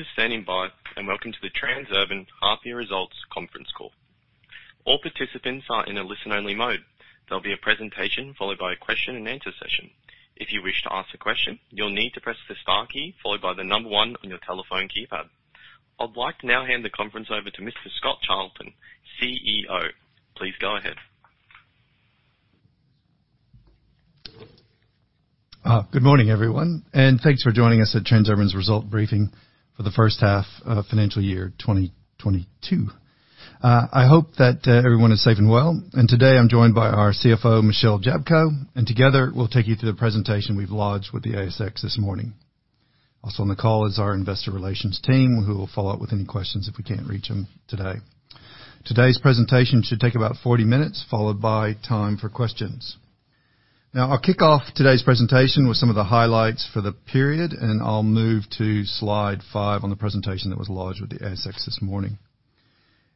Thank you for standing by, and Welcome to the Transurban Half Year Results Conference Call. All participants are in a listen-only mode. There'll be a presentation followed by a question-and-answer session. If you wish to ask a question, you'll need to press the star key followed by the number one on your telephone keypad. I'd like to now hand the conference over to Mr. Scott Charlton, Chief Executive Officer. Please go ahead. Good morning, everyone, and thanks for joining us at Transurban's Results Briefing for the first half of financial year 2022. I hope that everyone is safe and well. Today I'm joined by our Chief Financial Officer, Michelle Jablko, and together we'll take you through the presentation we've lodged with the ASX this morning. Also on the call is our investor relations team who will follow up with any questions if we can't reach them today. Today's presentation should take about 40 minutes, followed by time for questions. Now, I'll kick off today's presentation with some of the highlights for the period, and I'll move to slide five on the presentation that was lodged with the ASX this morning.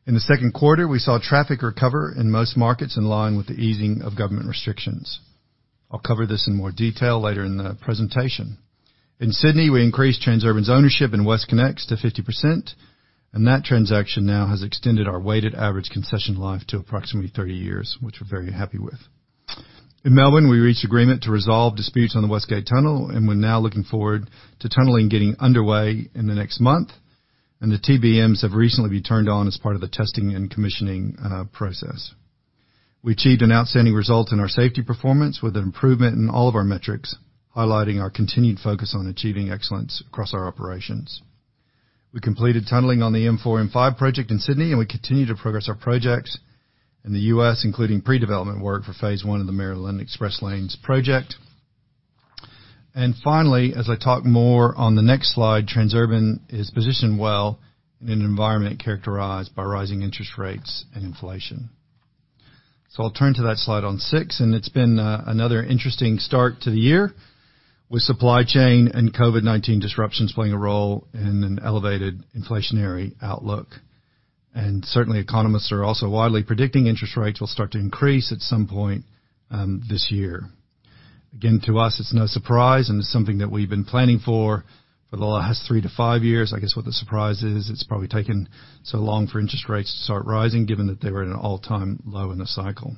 In the second quarter, we saw traffic recover in most markets in line with the easing of government restrictions. I'll cover this in more detail later in the presentation. In Sydney, we increased Transurban's ownership in WestConnex to 50%, and that transaction now has extended our weighted average concession life to approximately 30 years, which we're very happy with. In Melbourne, we reached agreement to resolve disputes on the West Gate Tunnel, and we're now looking forward to tunneling getting underway in the next month. The TBMs have recently been turned on as part of the testing and commissioning process. We achieved an outstanding result in our safety performance with an improvement in all of our metrics, highlighting our continued focus on achieving excellence across our operations. We completed tunneling on the M4-M5 project in Sydney, and we continue to progress our projects in the U.S., including pre-development work for phase I of the Maryland Express Lanes project. Finally, as I talk more on the next slide, Transurban is positioned well in an environment characterized by rising interest rates and inflation. I'll turn to that slide on six, and it's been another interesting start to the year with supply chain and COVID-19 disruptions playing a role in an elevated inflationary outlook. Certainly, economists are also widely predicting interest rates will start to increase at some point this year. Again, to us, it's no surprise, and it's something that we've been planning for the last three to five years. I guess what the surprise is, it's probably taken so long for interest rates to start rising, given that they were at an all-time low in the cycle.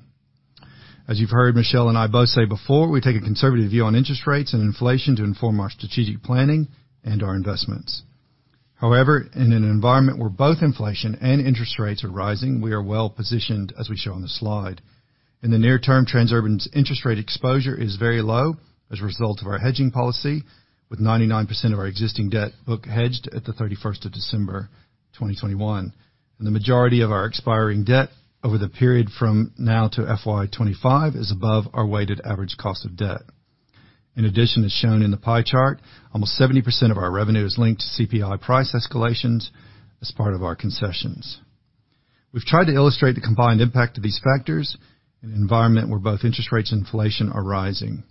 As you've heard Michelle and I both say before, we take a conservative view on interest rates and inflation to inform our strategic planning and our investments. However, in an environment where both inflation and interest rates are rising, we are well positioned as we show on the slide. In the near term, Transurban's interest rate exposure is very low as a result of our hedging policy, with 99% of our existing debt book hedged at December 31, 2021. The majority of our expiring debt over the period from now to FY 2025 is above our weighted average cost of debt. In addition, as shown in the pie chart, almost 70% of our revenue is linked to CPI price escalations as part of our concessions. We've tried to illustrate the combined impact of these factors in an environment where both interest rates and inflation are rising.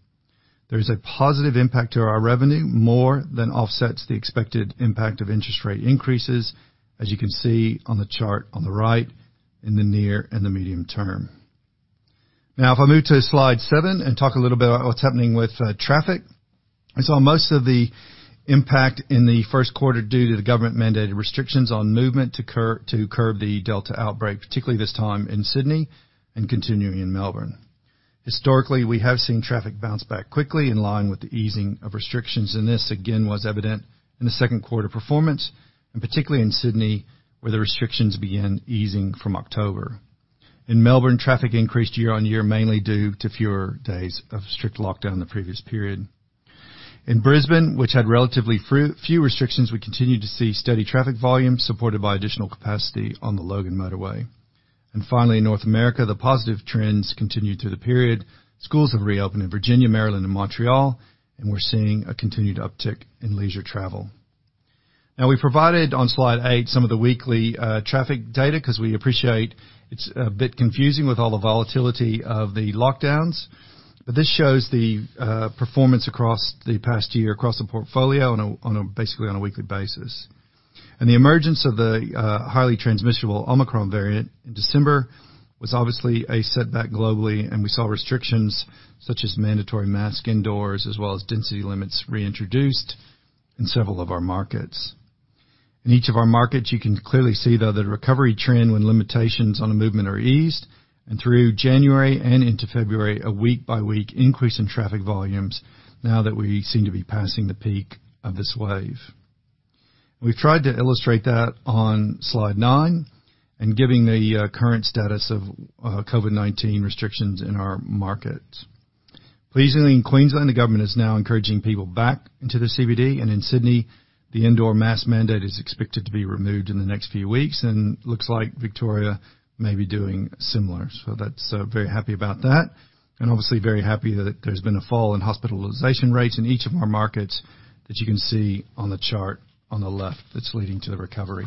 There is a positive impact to our revenue more than offsets the expected impact of interest rate increases, as you can see on the chart on the right in the near and the medium term. Now, if I move to slide seven and talk a little bit about what's happening with, traffic. Most of the impact in the first quarter due to the government-mandated restrictions on movement to curb the Delta outbreak, particularly this time in Sydney and continuing in Melbourne. Historically, we have seen traffic bounce back quickly in line with the easing of restrictions, and this again was evident in the second quarter performance, and particularly in Sydney, where the restrictions began easing from October. In Melbourne, traffic increased year-on-year, mainly due to fewer days of strict lockdown in the previous period. In Brisbane, which had relatively few restrictions, we continued to see steady traffic volumes supported by additional capacity on the Logan Motorway. Finally, in North America, the positive trends continued through the period. Schools have reopened in Virginia, Maryland and Montreal, and we're seeing a continued uptick in leisure travel. Now we've provided on slide 8 some of the weekly traffic data 'cause we appreciate it's a bit confusing with all the volatility of the lockdowns. This shows the performance across the past year across the portfolio basically on a weekly basis. The emergence of the highly transmissible Omicron variant in December was obviously a setback globally, and we saw restrictions such as mandatory mask indoors, as well as density limits reintroduced in several of our markets. In each of our markets, you can clearly see, though, the recovery trend when limitations on a movement are eased and through January and into February, a week-by-week increase in traffic volumes now that we seem to be passing the peak of this wave. We've tried to illustrate that on slide nine and giving the current status of COVID-19 restrictions in our markets. Pleasingly, in Queensland, the government is now encouraging people back into the CBD, and in Sydney, the indoor mask mandate is expected to be removed in the next few weeks and looks like Victoria may be doing similar. That's very happy about that and obviously very happy that there's been a fall in hospitalization rates in each of our markets that you can see on the chart on the left that's leading to the recovery.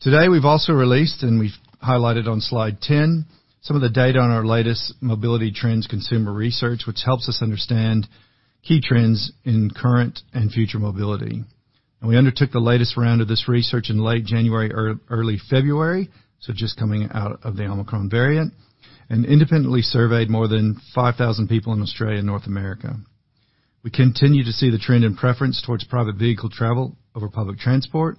Today, we've also released, and we've highlighted on slide 10, some of the data on our latest mobility trends consumer research, which helps us understand key trends in current and future mobility. We undertook the latest round of this research in late January, early February, so just coming out of the Omicron variant, and independently surveyed more than 5,000 people in Australia and North America. We continue to see the trend and preference towards private vehicle travel over public transport,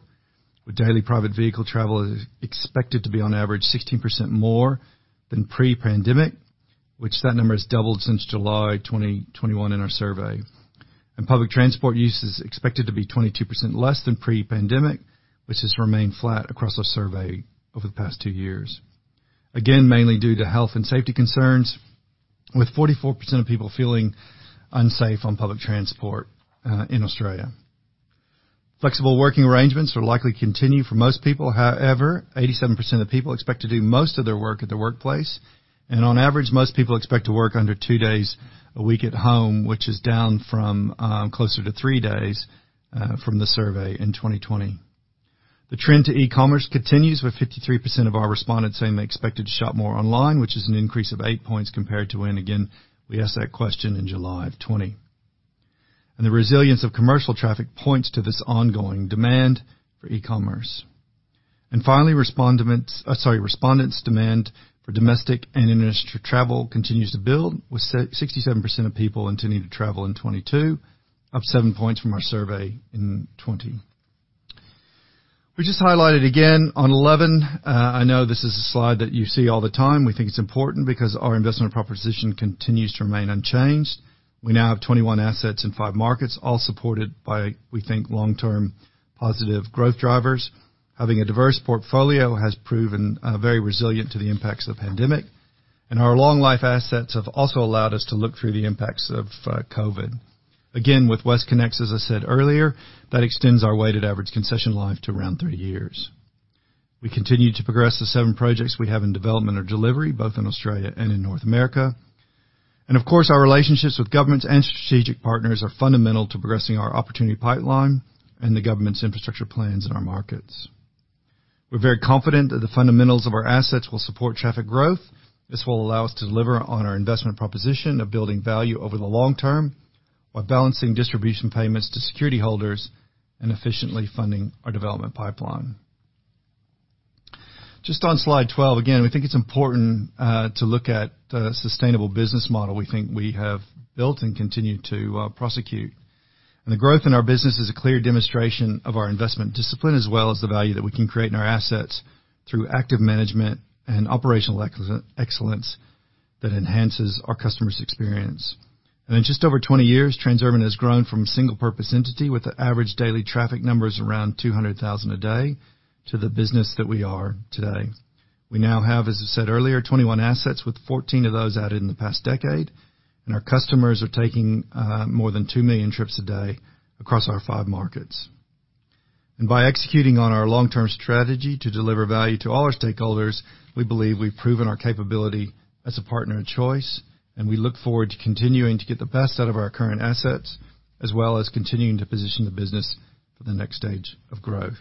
with daily private vehicle travel is expected to be on average 16% more than pre-pandemic, which that number has doubled since July 2021 in our survey. Public transport use is expected to be 22% less than pre-pandemic, which has remained flat across our survey over the past two years. Again, mainly due to health and safety concerns, with 44% of people feeling unsafe on public transport in Australia. Flexible working arrangements will likely continue for most people. However, 87% of people expect to do most of their work at their workplace. On average, most people expect to work under two days a week at home, which is down from closer to three days from the survey in 2020. The trend to e-commerce continues with 53% of our respondents saying they expected to shop more online, which is an increase of 8 points compared to when, again, we asked that question in July of 2020. The resilience of commercial traffic points to this ongoing demand for e-commerce. Finally, respondents. Sorry, respondents' demand for domestic and international travel continues to build, with 67% of people continuing to travel in 2022, up 7 points from our survey in 2020. We just highlighted again on 11. I know this is a slide that you see all the time. We think it's important because our investment proposition continues to remain unchanged. We now have 21 assets in five markets, all supported by, we think, long-term positive growth drivers. Having a diverse portfolio has proven very resilient to the impacts of the pandemic, and our long life assets have also allowed us to look through the impacts of COVID. Again, with WestConnex, as I said earlier, that extends our weighted average concession life to around three years. We continue to progress the seven projects we have in development or delivery, both in Australia and in North America. Of course, our relationships with governments and strategic partners are fundamental to progressing our opportunity pipeline and the government's infrastructure plans in our markets. We're very confident that the fundamentals of our assets will support traffic growth. This will allow us to deliver on our investment proposition of building value over the long term, while balancing distribution payments to security holders and efficiently funding our development pipeline. Just on slide 12, again, we think it's important to look at the sustainable business model we think we have built and continue to prosecute. The growth in our business is a clear demonstration of our investment discipline, as well as the value that we can create in our assets through active management and operational excellence that enhances our customer's experience. In just over 20 years, Transurban has grown from a single purpose entity with the average daily traffic numbers around 200,000 a day to the business that we are today. We now have, as I said earlier, 21 assets with 14 of those added in the past decade, and our customers are taking more than 2 million trips a day across our five markets. By executing on our long term strategy to deliver value to all our stakeholders, we believe we've proven our capability as a partner of choice, and we look forward to continuing to get the best out of our current assets, as well as continuing to position the business for the next stage of growth.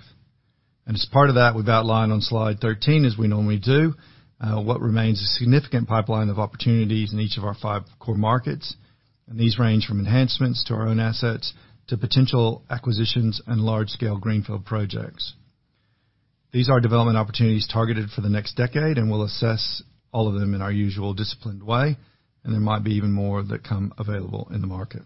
As part of that, we've outlined on slide 13, as we normally do, what remains a significant pipeline of opportunities in each of our five core markets. These range from enhancements to our own assets to potential acquisitions and large scale greenfield projects. These are development opportunities targeted for the next decade, and we'll assess all of them in our usual disciplined way, and there might be even more that come available in the market.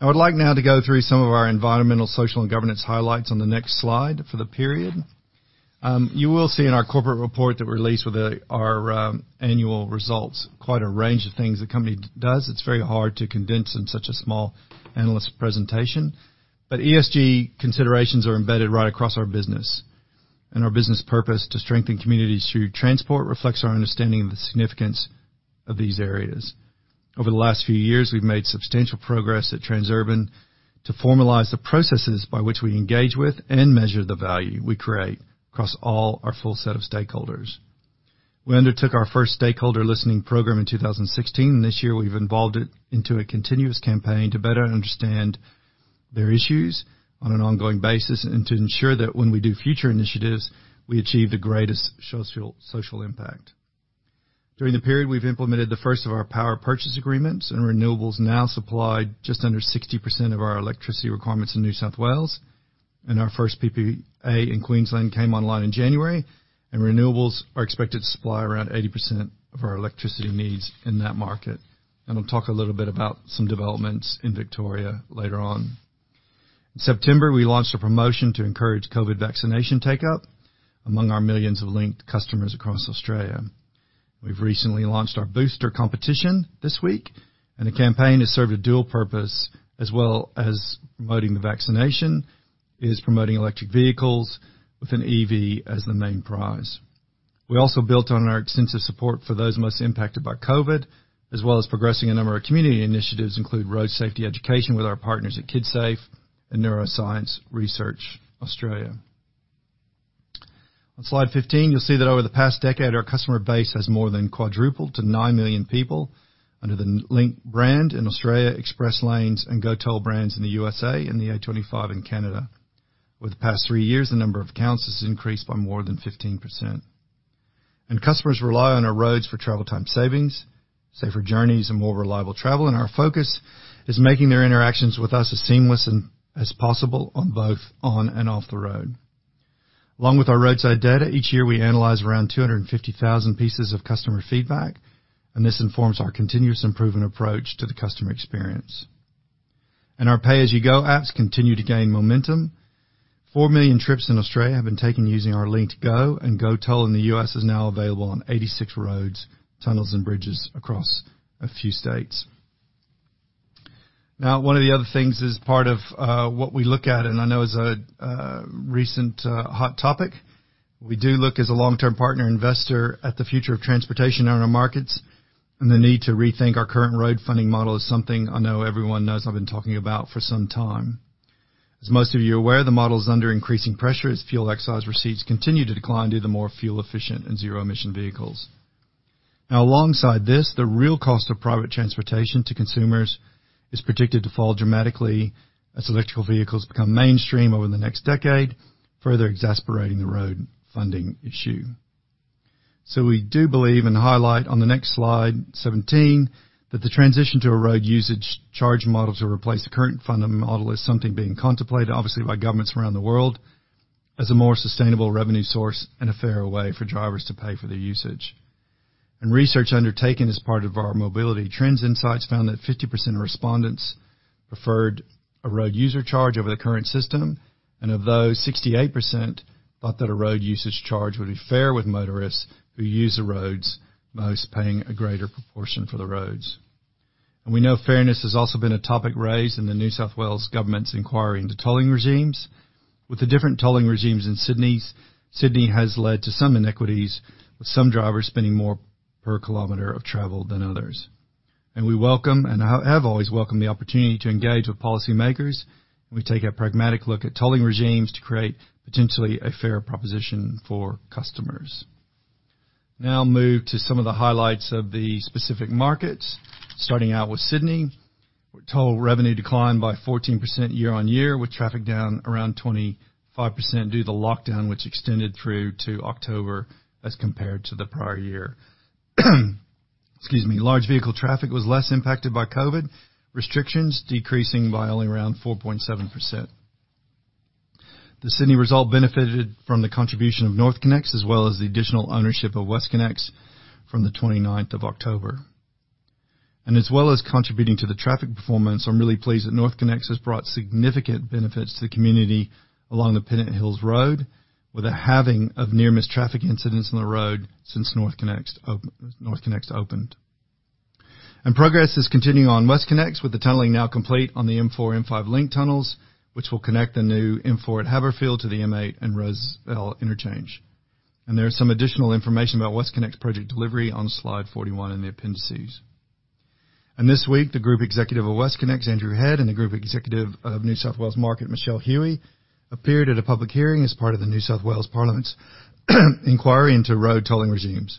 I would like now to go through some of our environmental, social, and governance highlights on the next slide for the period. You will see in our corporate report that we released with our annual results, quite a range of things the company does. It's very hard to condense in such a small analyst presentation. ESG considerations are embedded right across our business. Our business purpose to strengthen communities through transport reflects our understanding of the significance of these areas. Over the last few years, we've made substantial progress at Transurban to formalize the processes by which we engage with and measure the value we create across all our full set of stakeholders. We undertook our first stakeholder listening program in 2016. This year, we've evolved it into a continuous campaign to better understand their issues on an ongoing basis and to ensure that when we do future initiatives, we achieve the greatest social impact. During the period, we've implemented the first of our power purchase agreements and renewables now supply just under 60% of our electricity requirements in New South Wales. Our first PPA in Queensland came online in January, and renewables are expected to supply around 80% of our electricity needs in that market. I'll talk a little bit about some developments in Victoria later on. In September, we launched a promotion to encourage COVID vaccination take up among our millions of Linkt customers across Australia. We've recently launched our booster competition this week, and the campaign has served a dual purpose as well as promoting the vaccination. It is promoting electric vehicles with an EV as the main prize. We also built on our extensive support for those most impacted by COVID, as well as progressing a number of community initiatives, including road safety education with our partners at Kidsafe and Neuroscience Research Australia. On slide 15, you'll see that over the past decade, our customer base has more than quadrupled to 9 million people under the Linkt brand in Australia, Express Lanes and GoToll brands in the USA and the A25 in Canada. Over the past three years, the number of accounts has increased by more than 15%. Customers rely on our roads for travel time savings, safer journeys, and more reliable travel, and our focus is making their interactions with us as seamless as possible on both and off the road. Along with our roadside data, each year we analyze around 250,000 pieces of customer feedback, and this informs our continuous improvement approach to the customer experience. Our pay-as-you-go apps continue to gain momentum. 4 million trips in Australia have been taken using our LinktGO, and GoToll in the U.S. is now available on 86 roads, tunnels, and bridges across a few states. Now, one of the other things as part of what we look at, and I know as a recent hot topic, we do look as a long-term partner investor at the future of transportation in our markets and the need to rethink our current road funding model is something I know everyone knows I've been talking about for some time. As most of you are aware, the model is under increasing pressure as fuel excise receipts continue to decline due to more fuel efficient and zero-emission vehicles. Now alongside this, the real cost of private transportation to consumers is predicted to fall dramatically as electric vehicles become mainstream over the next decade, further exacerbating the road funding issue. We do believe and highlight on the next slide, 17, that the transition to a road usage charge model to replace the current funding model is something being contemplated obviously by governments around the world as a more sustainable revenue source and a fairer way for drivers to pay for their usage. Research undertaken as part of our Mobility Trends Insights found that 50% of respondents preferred a road user charge over the current system. Of those, 68% thought that a road usage charge would be fair, with motorists who use the roads most paying a greater proportion for the roads. We know fairness has also been a topic raised in the New South Wales government's inquiry into tolling regimes. With the different tolling regimes in Sydney has led to some inequities, with some drivers spending more per kilometer of travel than others. We welcome, and have always welcomed the opportunity to engage with policymakers, and we take a pragmatic look at tolling regimes to create potentially a fairer proposition for customers. Now I'll move to some of the highlights of the specific markets. Starting out with Sydney. Toll revenue declined by 14% year-on-year, with traffic down around 25% due to the lockdown which extended through to October as compared to the prior year. Excuse me. Large vehicle traffic was less impacted by COVID restrictions, decreasing by only around 4.7%. The Sydney result benefited from the contribution of NorthConnex as well as the additional ownership of WestConnex from the 29th of October. As well as contributing to the traffic performance, I'm really pleased that NorthConnex has brought significant benefits to the community along the Pennant Hills Road, with a halving of near-miss traffic incidents on the road since NorthConnex opened. Progress is continuing on WestConnex, with the tunneling now complete on the M4-M5 Link Tunnels, which will connect the new M4 at Haberfield to the M8 and Rozelle Interchange. There is some additional information about WestConnex project delivery on slide 41 in the appendices. This week, the Group Executive of WestConnex, Andrew Head, and the Group Executive of New South Wales, Michele Huey, appeared at a public hearing as part of the New South Wales Parliament's inquiry into road tolling regimes,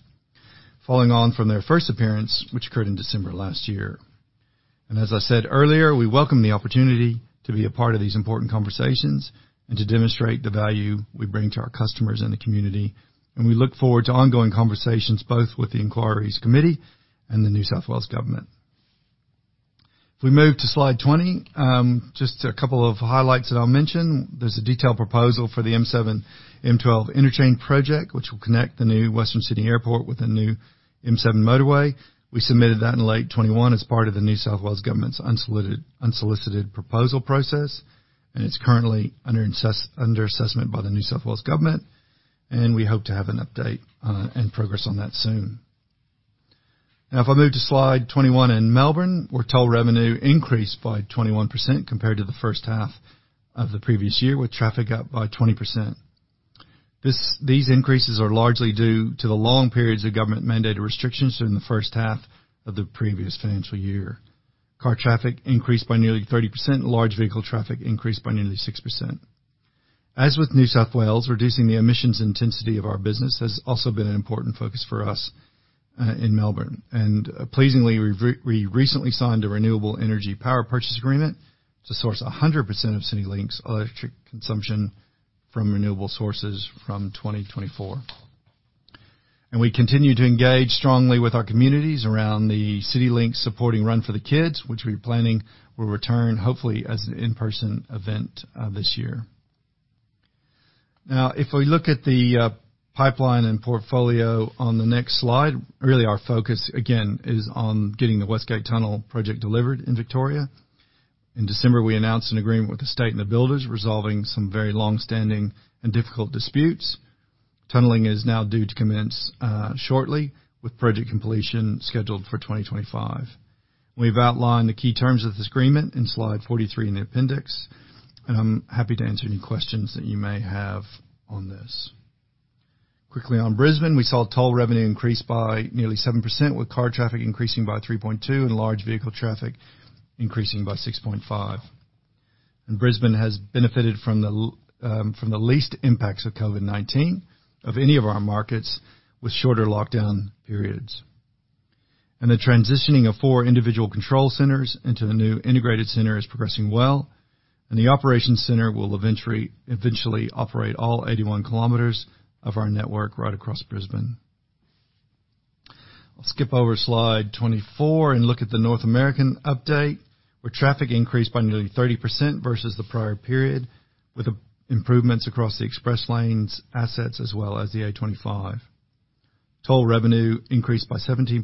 following on from their first appearance, which occurred in December last year. As I said earlier, we welcome the opportunity to be a part of these important conversations and to demonstrate the value we bring to our customers and the community. We look forward to ongoing conversations, both with the inquiry's committee and the New South Wales Government. If we move to slide 20, just a couple of highlights that I'll mention. There's a detailed proposal for the M7-M12 Interchange Project, which will connect the new Western Sydney Airport with the new M7 motorway. We submitted that in late 2021 as part of the New South Wales Government's unsolicited proposal process, and it's currently under assessment by the New South Wales Government, and we hope to have an update and progress on that soon. Now if I move to slide 21 in Melbourne, where toll revenue increased by 21% compared to the first half of the previous year, with traffic up by 20%. These increases are largely due to the long periods of government-mandated restrictions during the first half of the previous financial year. Car traffic increased by nearly 30%. Large vehicle traffic increased by nearly 6%. As with New South Wales, reducing the emissions intensity of our business has also been an important focus for us in Melbourne. Pleasingly, we recently signed a renewable energy power purchase agreement to source 100% of CityLink's electric consumption from renewable sources from 2024. We continue to engage strongly with our communities around the CityLink, supporting Run for the Kids, which we're planning will return hopefully as an in-person event this year. Now if we look at the pipeline and portfolio on the next slide, really our focus again is on getting the West Gate Tunnel project delivered in Victoria. In December, we announced an agreement with the state and the builders resolving some very long-standing and difficult disputes. Tunneling is now due to commence shortly, with project completion scheduled for 2025. We've outlined the key terms of this agreement in slide 43 in the appendix, and I'm happy to answer any questions that you may have on this. Quickly on Brisbane. We saw toll revenue increase by nearly 7%, with car traffic increasing by 3.2 and large vehicle traffic increasing by 6.5. Brisbane has benefited from the least impacts of COVID-19 of any of our markets with shorter lockdown periods. The transitioning of four individual control centers into the new integrated center is progressing well. The operations center will eventually operate all 81 km of our network right across Brisbane. Skip over slide 24 and look at the North American update, where traffic increased by nearly 30% versus the prior period, with improvements across the Express Lanes assets as well as the A25. Toll revenue increased by 17%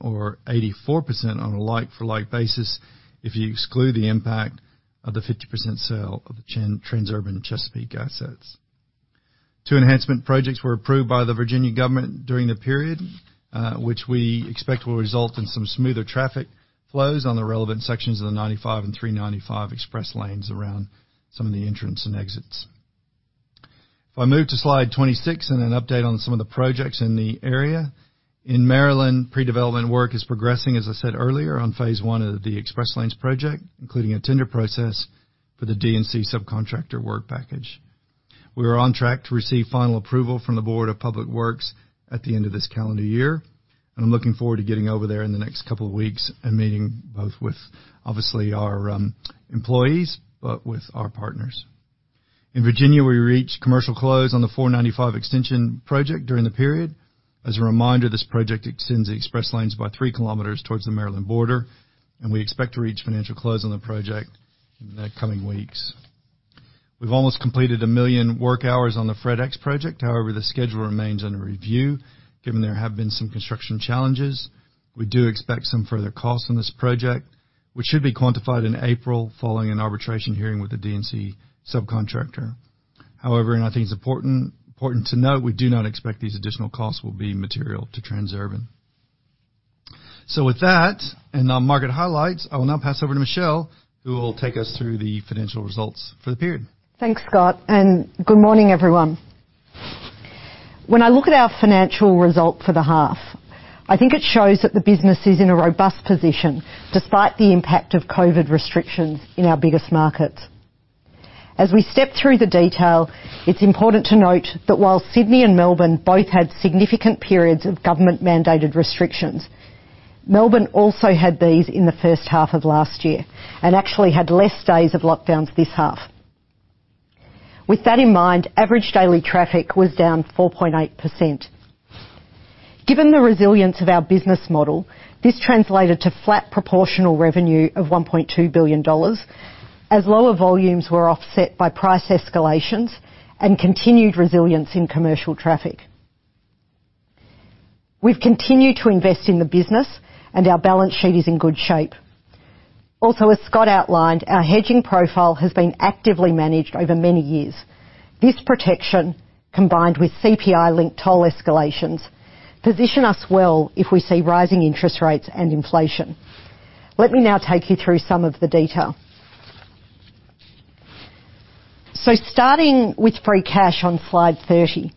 or 84% on a like for like basis if you exclude the impact of the 50% sale of the Transurban Chesapeake assets. Two enhancement projects were approved by the Virginia government during the period, which we expect will result in some smoother traffic flows on the relevant sections of the 95 and 395 Express Lanes around some of the entrance and exits. If I move to slide 26 and an update on some of the projects in the area. In Maryland, pre-development work is progressing, as I said earlier, on phase I of the Express Lanes project, including a tender process for the D&C subcontractor work package. We are on track to receive final approval from the Board of Public Works at the end of this calendar year, and I'm looking forward to getting over there in the next couple of weeks and meeting both with, obviously our, employees, but with our partners. In Virginia, we reached commercial close on the 495 extension project during the period. As a reminder, this project extends the Express Lanes by 3 km towards the Maryland border, and we expect to reach financial close on the project in the coming weeks. We've almost completed 1 million work hours on the FredEx project. However, the schedule remains under review, given there have been some construction challenges. We do expect some further costs on this project, which should be quantified in April following an arbitration hearing with the D&C subcontractor. However, and I think it's important to note, we do not expect these additional costs will be material to Transurban. With that and our market highlights, I will now pass over to Michelle, who will take us through the financial results for the period. Thanks, Scott, and good morning, everyone. When I look at our financial result for the half, I think it shows that the business is in a robust position despite the impact of COVID restrictions in our biggest markets. As we step through the detail, it's important to note that while Sydney and Melbourne both had significant periods of government-mandated restrictions, Melbourne also had these in the first half of last year and actually had less days of lockdowns this half. With that in mind, average daily traffic was down 4.8%. Given the resilience of our business model, this translated to flat proportional revenue of 1.2 billion dollars as lower volumes were offset by price escalations and continued resilience in commercial traffic. We've continued to invest in the business and our balance sheet is in good shape. Also, as Scott outlined, our hedging profile has been actively managed over many years. This protection, combined with CPI-linked toll escalations, position us well if we see rising interest rates and inflation. Let me now take you through some of the detail. Starting with free cash on slide 30.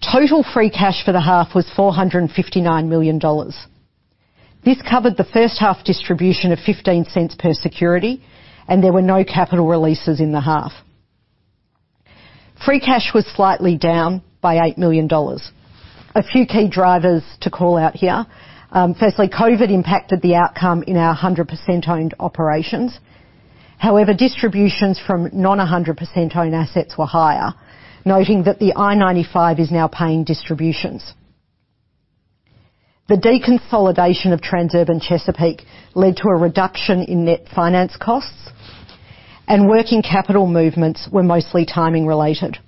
Total free cash for the half was 459 million dollars. This covered the first half distribution of 0.15 per security, and there were no capital releases in the half. Free cash was slightly down by 8 million dollars. A few key drivers to call out here. Firstly, COVID impacted the outcome in our 100%-owned operations. However, distributions from non-100%-owned assets were higher, noting that the I-95 is now paying distributions. The deconsolidation of Transurban Chesapeake led to a reduction in net finance costs, and working capital movements were mostly timing related.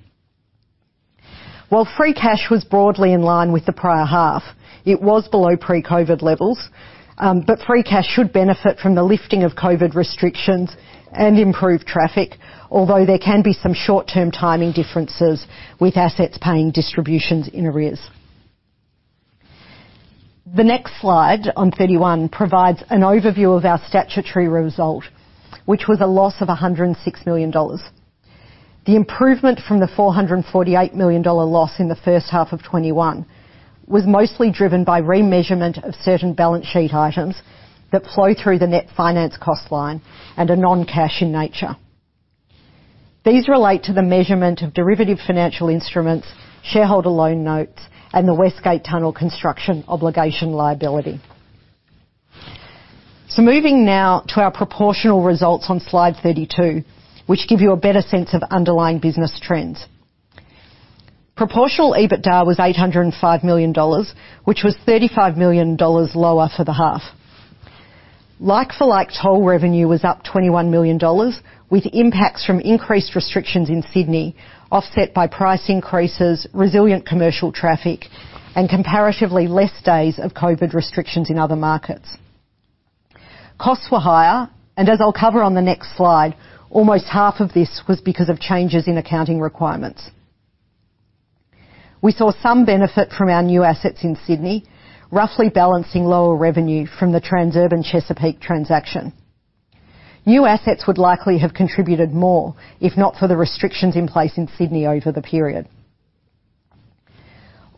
While free cash was broadly in line with the prior half, it was below pre-COVID levels. Free cash should benefit from the lifting of COVID restrictions and improved traffic, although there can be some short-term timing differences with assets paying distributions in arrears. The next slide on 31 provides an overview of our statutory result, which was a loss of 106 million dollars. The improvement from the 448 million dollar loss in the first half of 2021 was mostly driven by remeasurement of certain balance sheet items that flow through the net finance cost line and are non-cash in nature. These relate to the measurement of derivative financial instruments, shareholder loan notes, and the West Gate Tunnel construction obligation liability. Moving now to our proportional results on slide 32, which give you a better sense of underlying business trends. Proportional EBITDA was 805 million dollars, which was 35 million dollars lower for the half. Like-for-like toll revenue was up 21 million dollars, with impacts from increased restrictions in Sydney offset by price increases, resilient commercial traffic, and comparatively less days of COVID restrictions in other markets. Costs were higher, and as I'll cover on the next slide, almost half of this was because of changes in accounting requirements. We saw some benefit from our new assets in Sydney, roughly balancing lower revenue from the Transurban Chesapeake transaction. New assets would likely have contributed more if not for the restrictions in place in Sydney over the period.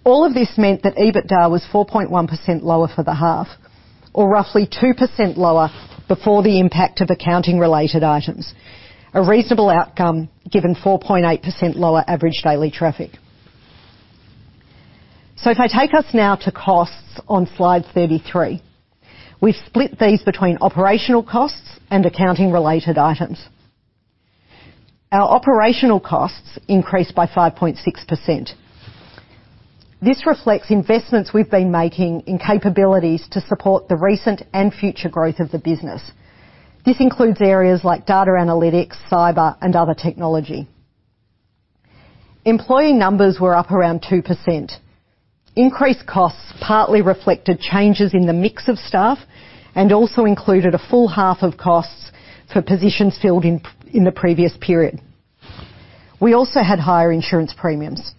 All of this meant that EBITDA was 4.1% lower for the half, or roughly 2% lower before the impact of accounting-related items. A reasonable outcome, given 4.8% lower average daily traffic. If I take us now to costs on slide 33. We've split these between operational costs and accounting-related items. Our operational costs increased by 5.6%. This reflects investments we've been making in capabilities to support the recent and future growth of the business. This includes areas like data analytics, cyber, and other technology. Employee numbers were up around 2%. Increased costs partly reflected changes in the mix of staff, and also included a full half of costs for positions filled in the previous period. We also had higher insurance premiums.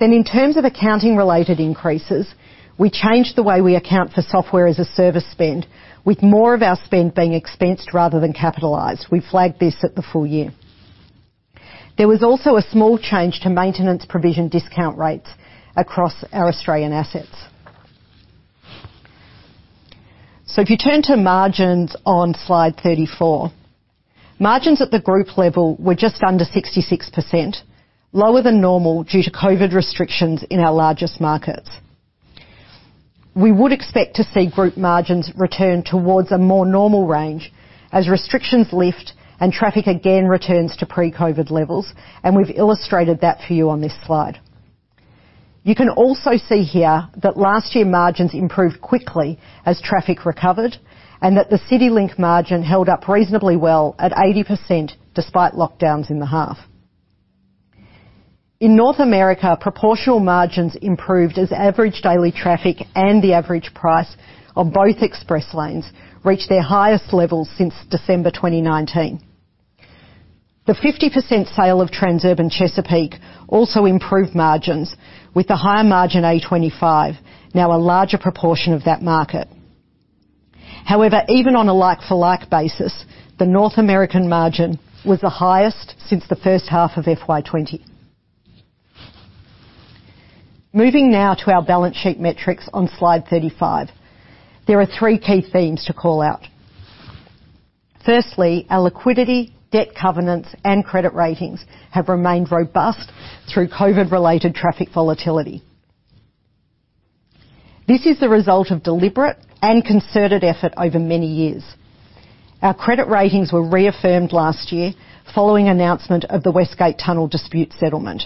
In terms of accounting-related increases, we changed the way we account for software-as-a-service spend, with more of our spend being expensed rather than capitalized. We flagged this at the full year. There was also a small change to maintenance provision discount rates across our Australian assets. If you turn to margins on slide 34, margins at the group level were just under 66%, lower than normal due to COVID restrictions in our largest markets. We would expect to see group margins return towards a more normal range as restrictions lift and traffic again returns to pre-COVID levels, and we've illustrated that for you on this slide. You can also see here that last year margins improved quickly as traffic recovered, and that the CityLink margin held up reasonably well at 80% despite lockdowns in the half. In North America, proportional margins improved as average daily traffic and the average price of both express lanes reached their highest levels since December 2019. The 50% sale of Transurban Chesapeake also improved margins with the higher margin A25, now a larger proportion of that market. However, even on a like-for-like basis, the North American margin was the highest since the first half of FY 2020. Moving now to our balance sheet metrics on slide 35. There are three key themes to call out. Firstly, our liquidity, debt covenants, and credit ratings have remained robust through COVID-related traffic volatility. This is the result of deliberate and concerted effort over many years. Our credit ratings were reaffirmed last year following announcement of the West Gate Tunnel dispute settlement.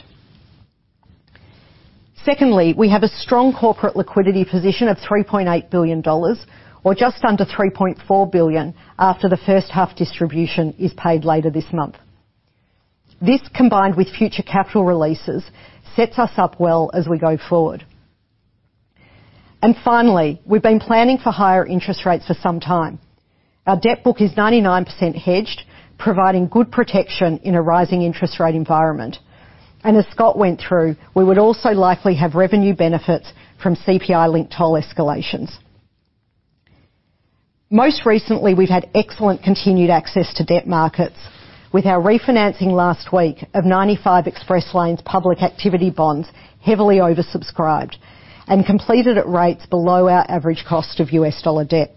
Secondly, we have a strong corporate liquidity position of 3.8 billion dollars, or just under 3.4 billion after the first half distribution is paid later this month. This, combined with future capital releases, sets us up well as we go forward. Finally, we've been planning for higher interest rates for some time. Our debt book is 99% hedged, providing good protection in a rising interest rate environment. As Scott went through, we would also likely have revenue benefits from CPI-linked toll escalations. Most recently, we've had excellent continued access to debt markets with our refinancing last week of 95 Express Lanes Private Activity Bonds heavily oversubscribed and completed at rates below our average cost of U.S. dollar debt.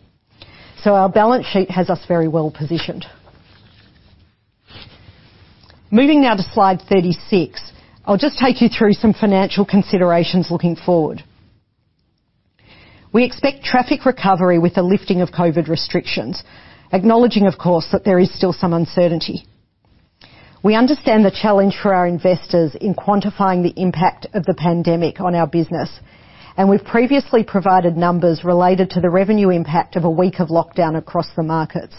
Our balance sheet has us very well positioned. Moving now to slide 36. I'll just take you through some financial considerations looking forward. We expect traffic recovery with the lifting of COVID restrictions, acknowledging of course that there is still some uncertainty. We understand the challenge for our investors in quantifying the impact of the pandemic on our business, and we've previously provided numbers related to the revenue impact of a week of lockdown across the markets.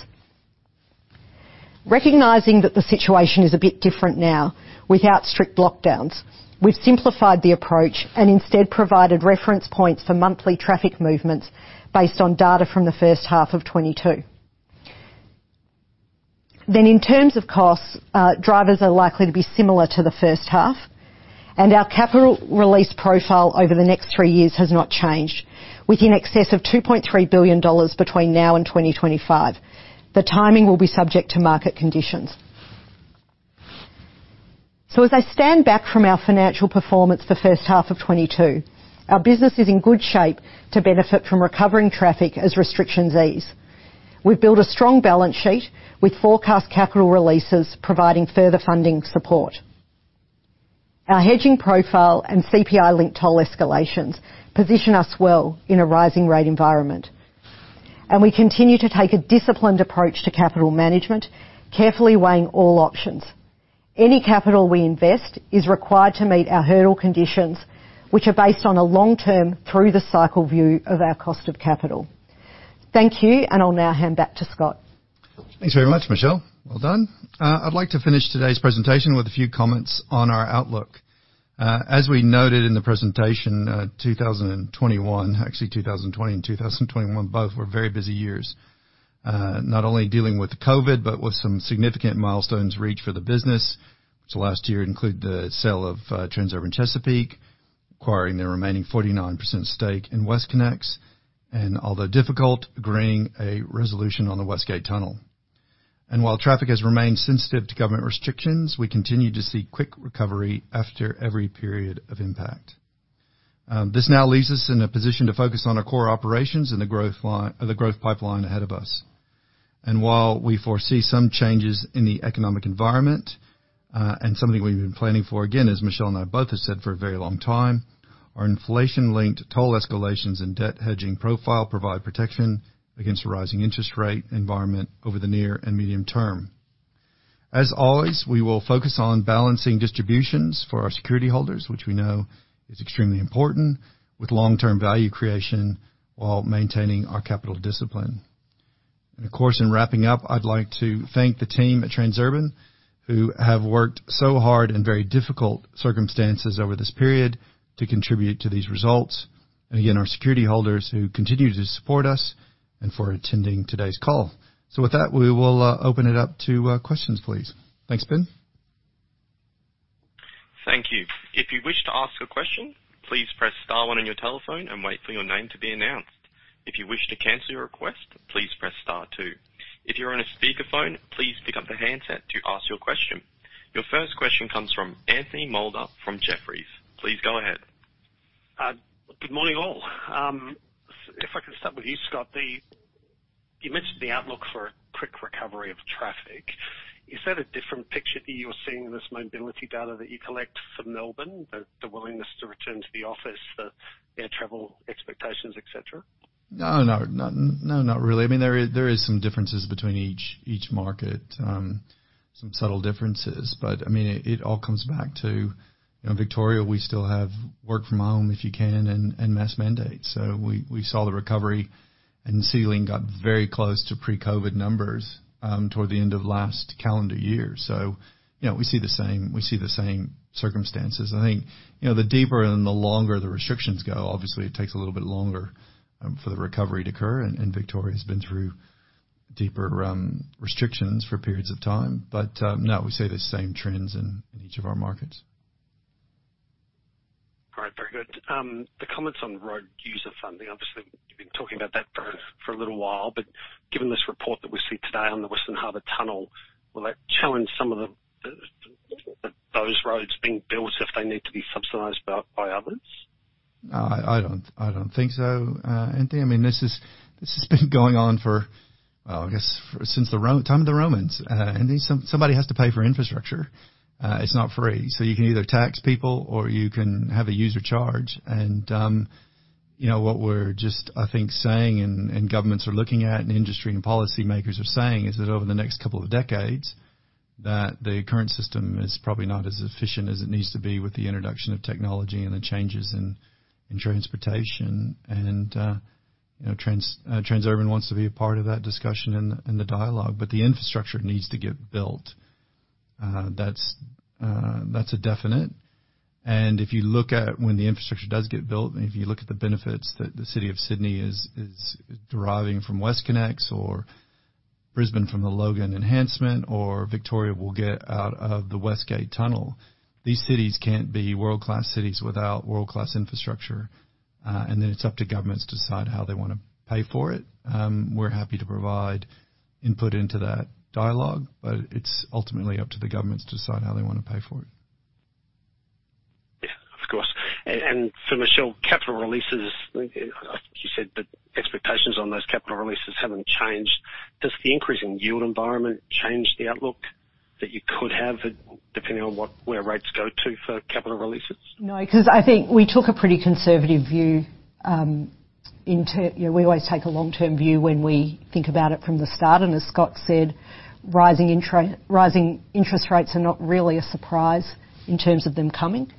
Recognizing that the situation is a bit different now without strict lockdowns, we've simplified the approach and instead provided reference points for monthly traffic movements based on data from the first half of 2022. In terms of costs, drivers are likely to be similar to the first half, and our capital release profile over the next three years has not changed in excess of AUD 2.3 billion between now and 2025. The timing will be subject to market conditions. As I stand back from our financial performance the first half of 2022, our business is in good shape to benefit from recovering traffic as restrictions ease. We've built a strong balance sheet with forecast capital releases providing further funding support. Our hedging profile and CPI-linked toll escalations position us well in a rising rate environment. We continue to take a disciplined approach to capital management, carefully weighing all options. Any capital we invest is required to meet our hurdle conditions, which are based on a long-term through the cycle view of our cost of capital. Thank you, and I'll now hand back to Scott. Thanks very much, Michelle. Well done. I'd like to finish today's presentation with a few comments on our outlook. As we noted in the presentation, 2020 and 2021 both were very busy years. Not only dealing with COVID, but with some significant milestones reached for the business. Last year included the sale of Transurban Chesapeake, acquiring their remaining 49% stake in WestConnex, and although difficult, agreeing a resolution on the West Gate Tunnel. While traffic has remained sensitive to government restrictions, we continue to see quick recovery after every period of impact. This now leaves us in a position to focus on our core operations and the growth pipeline ahead of us. While we foresee some changes in the economic environment, and something we've been planning for, again, as Michelle and I both have said for a very long time. Our inflation-linked toll escalations and debt hedging profile provide protection against the rising interest rate environment over the near and medium term. As always, we will focus on balancing distributions for our security holders, which we know is extremely important, with long-term value creation while maintaining our capital discipline. Of course, in wrapping up, I'd like to thank the team at Transurban who have worked so hard in very difficult circumstances over this period to contribute to these results, and again, our security holders who continue to support us and for attending today's call. With that, we will open it up to questions, please. Thanks, Ben. Thank you, If you wish to ask your question, please press star one on your telephone, and wait for your name to be announced, if you wish to cancel your request, please press star two, if your on speaker phone please pick up your handset to ask your question. Your first question comes from Anthony Moulder from Jefferies. Please go ahead. Good morning, all. If I can start with you, Scott, you mentioned the outlook for a quick recovery of traffic. Is that a different picture that you're seeing in this mobility data that you collect from Melbourne, the willingness to return to the office, the air travel expectations, etc.? No, not really. I mean, there is some differences between each market, some subtle differences. I mean, it all comes back to, you know, Victoria. We still have work from home if you can and mask mandates. We saw the recovery, and CityLink got very close to pre-COVID numbers toward the end of last calendar year. You know, we see the same circumstances. I think, you know, the deeper and the longer the restrictions go, obviously, it takes a little bit longer for the recovery to occur. Victoria has been through deeper restrictions for periods of time. No, we see the same trends in each of our markets. All right. Very good. The comments on road user funding, obviously, you've been talking about that for a little while. Given this report that we see today on the Western Harbour Tunnel, will that challenge some of those roads being built if they need to be subsidized by others? No, I don't think so, Anthony. I mean, this has been going on since the time of the Romans. Anthony, somebody has to pay for infrastructure. It's not free. You can either tax people, or you can have a user charge. You know, what we're saying and governments are looking at and industry and policymakers are saying is that over the next couple of decades, the current system is probably not as efficient as it needs to be with the introduction of technology and the changes in transportation. You know, Transurban wants to be a part of that discussion and the dialogue, but the infrastructure needs to get built. That's a definite. If you look at when the infrastructure does get built, and if you look at the benefits that the City of Sydney is deriving from WestConnex or Brisbane from the Logan enhancement or Victoria will get out of the West Gate Tunnel, these cities can't be world-class cities without world-class infrastructure. It's up to governments to decide how they wanna pay for it. We're happy to provide input into that dialogue, but it's ultimately up to the governments to decide how they wanna pay for it. Yeah, of course. Michelle, capital releases, I think you said that expectations on those capital releases haven't changed. Does the increase in yield environment change the outlook that you could have, depending on where rates go to for capital releases? No, because I think we took a pretty conservative view. You know, we always take a long-term view when we think about it from the start. As Scott said, rising interest rates are not really a surprise in terms of them coming.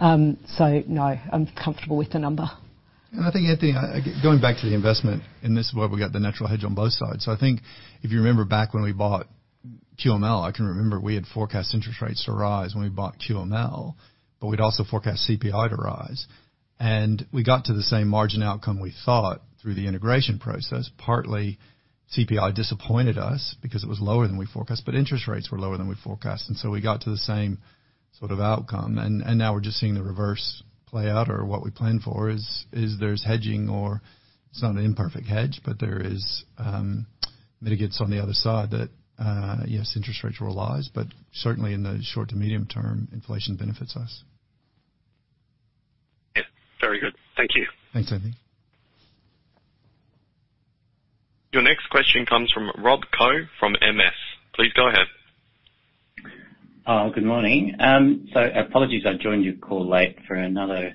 No, I'm comfortable with the number. I think, Anthony, going back to the investment, and this is why we got the natural hedge on both sides. I think if you remember back when we bought QML, I can remember we had forecast interest rates to rise when we bought QML, but we'd also forecast CPI to rise. We got to the same margin outcome we thought through the integration process. Partly, CPI disappointed us because it was lower than we forecast, but interest rates were lower than we forecast. We got to the same sort of outcome. Now we're just seeing the reverse play out, or what we planned for is there's hedging or it's an imperfect hedge, but there is mitigation on the other side that yes, interest rates will rise, but certainly in the short to medium term, inflation benefits us. Yeah. Very good. Thank you. Thanks, Anthony. Your next question comes from Rob Koh from Morgan Stanley. Please go ahead. Oh, good morning. Apologies, I joined your call late for another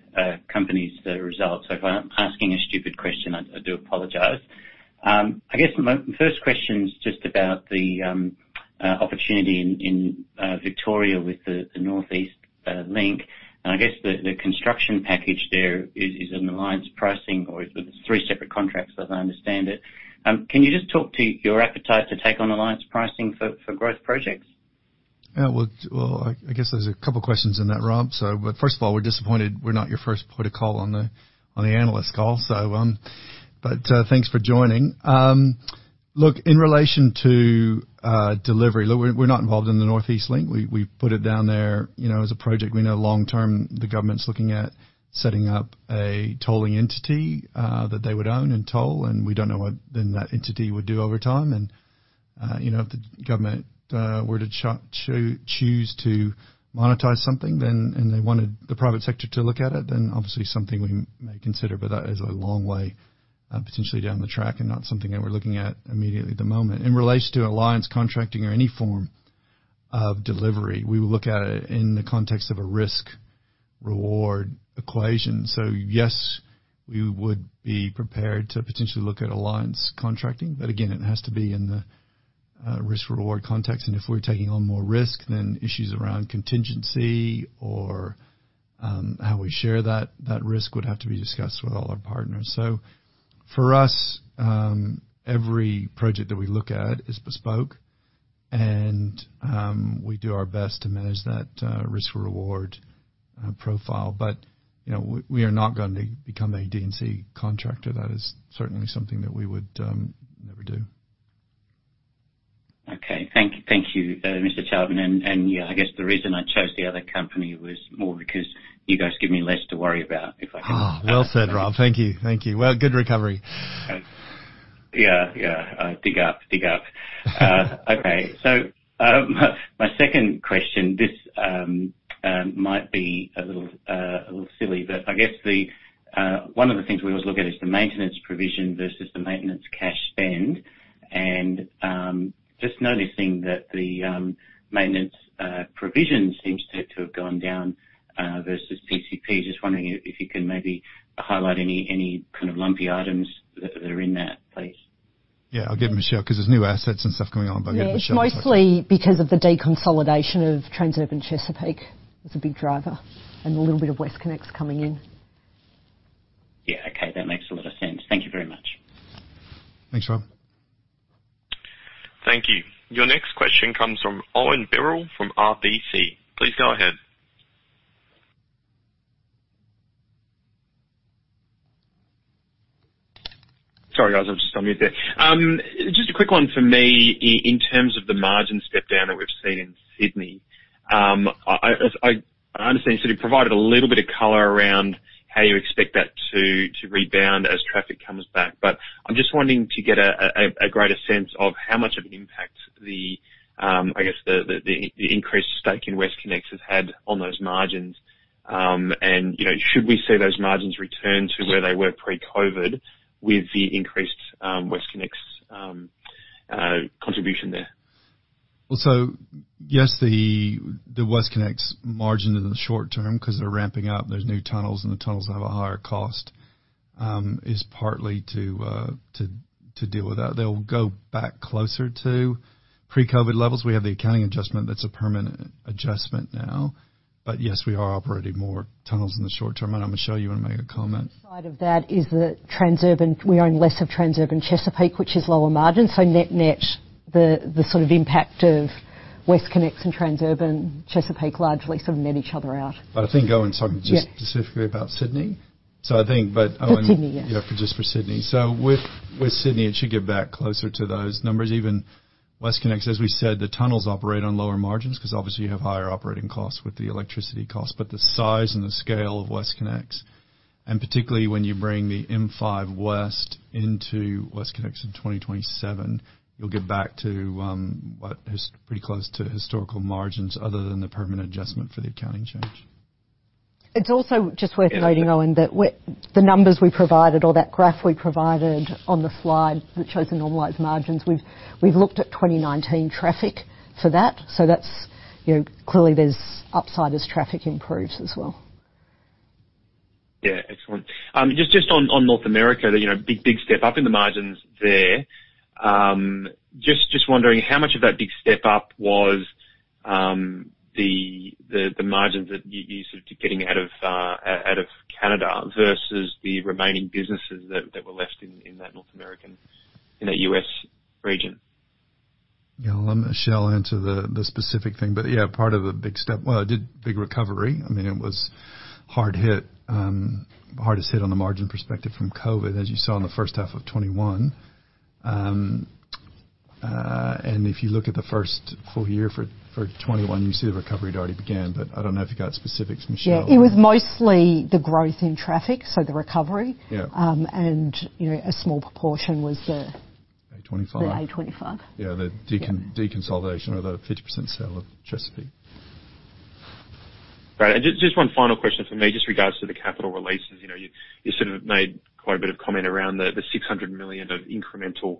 company's results. If I'm asking a stupid question, I do apologize. I guess my first question is just about the opportunity in Victoria with the North East Link. I guess the construction package there is an alliance pricing or is it three separate contracts, as I understand it. Can you just talk to your appetite to take on alliance pricing for growth projects? Well, I guess there's a couple questions in that, Rob. First of all, we're disappointed we're not your first port of call on the analyst call. Thanks for joining. Look, in relation to delivery, we're not involved in the North East Link. We've put it down there, you know, as a project. We know long-term, the government's looking at setting up a tolling entity that they would own and toll, and we don't know what then that entity would do over time. You know, if the government were to choose to monetize something, then. They wanted the private sector to look at it, then obviously something we may consider, but that is a long way, potentially down the track and not something that we're looking at immediately at the moment. In relation to alliance contracting or any form of delivery. We will look at it in the context of a risk-reward equation. Yes, we would be prepared to potentially look at alliance contracting, but again, it has to be in the risk-reward context. If we're taking on more risk, then issues around contingency or how we share that risk would have to be discussed with all our partners. For us, every project that we look at is bespoke, and we do our best to manage that risk-reward profile. You know, we are not going to become a D&C contractor. That is certainly something that we would never do. Okay. Thank you, Mr. Charlton. Yeah, I guess the reason I chose the other company was more because you guys give me less to worry about. Well said, Rob. Thank you. Well, good recovery. My second question this might be a little silly, but I guess the one of the things we always look at is the maintenance provision versus the maintenance cash spend. Just noticing that the maintenance provision seems to have gone down versus PCP. Just wondering if you can maybe highlight any kind of lumpy items that are in that, please. Yeah, I'll give Michelle, 'cause there's new assets and stuff going on, but yeah, Michelle. Yeah, it's mostly because of the deconsolidation of Transurban Chesapeake. It's a big driver, and a little bit of WestConnex coming in. Yeah. Okay, that makes a lot of sense. Thank you very much. Thanks, Rob. Thank you. Your next question comes from Owen Birrell from RBC. Please go ahead. Sorry, guys. I was just on mute there. Just a quick one for me in terms of the margin step down that we've seen in Sydney. I understand Sydney provided a little bit of color around how you expect that to rebound as traffic comes back. I'm just wanting to get a greater sense of how much of an impact, I guess, the increased stake in WestConnex has had on those margins. You know, should we see those margins return to where they were pre-COVID with the increased WestConnex contribution there? Well, yes, the WestConnex margin in the short term, 'cause they're ramping up, there's new tunnels, and the tunnels have a higher cost, is partly to deal with that. They'll go back closer to pre-COVID levels. We have the accounting adjustment that's a permanent adjustment now. Yes, we are operating more tunnels in the short term. Michelle, you wanna make a comment? Inside of that is the Transurban. We own less of Transurban Chesapeake, which is lower margin. Net-net, the sort of impact of WestConnex and Transurban Chesapeake largely sort of net each other out. I think Owen's talking. Yeah Specifically about Sydney. I think. For Sydney, yes. You know, just for Sydney. With Sydney, it should get back closer to those numbers. Even WestConnex, as we said, the tunnels operate on lower margins 'cause obviously you have higher operating costs with the electricity cost. The size and the scale of WestConnex, and particularly when you bring the M5 West into WestConnex in 2027, you'll get back to what is pretty close to historical margins other than the permanent adjustment for the accounting change. It's also just worth noting, Owen, that the numbers we provided or that graph we provided on the slide that shows the normalized margins, we've looked at 2019 traffic for that. That's, you know, clearly there's upside as traffic improves as well. Yeah. Excellent. Just on North America, you know, big step up in the margins there. Just wondering how much of that big step up was the margins that you sort of getting out of Canada versus the remaining businesses that were left in that North America in that U.S. region? Yeah. I'll let Michelle answer the specific thing. Yeah, part of the big step. Well, it did big recovery. I mean, it was hard hit, hardest hit on the margin perspective from COVID, as you saw in the first half of 2021. If you look at the first full year for 2021, you see the recovery had already began. I don't know if you got specifics, Michelle. Yeah. It was mostly the growth in traffic, so the recovery. Yeah. You know, a small proportion was the- A25 The A25. Yeah. The deconsolidation or the 50% sale of Chesapeake. Great. Just one final question from me, just regards to the capital releases. You know, you sort of made quite a bit of comment around the 600 million of incremental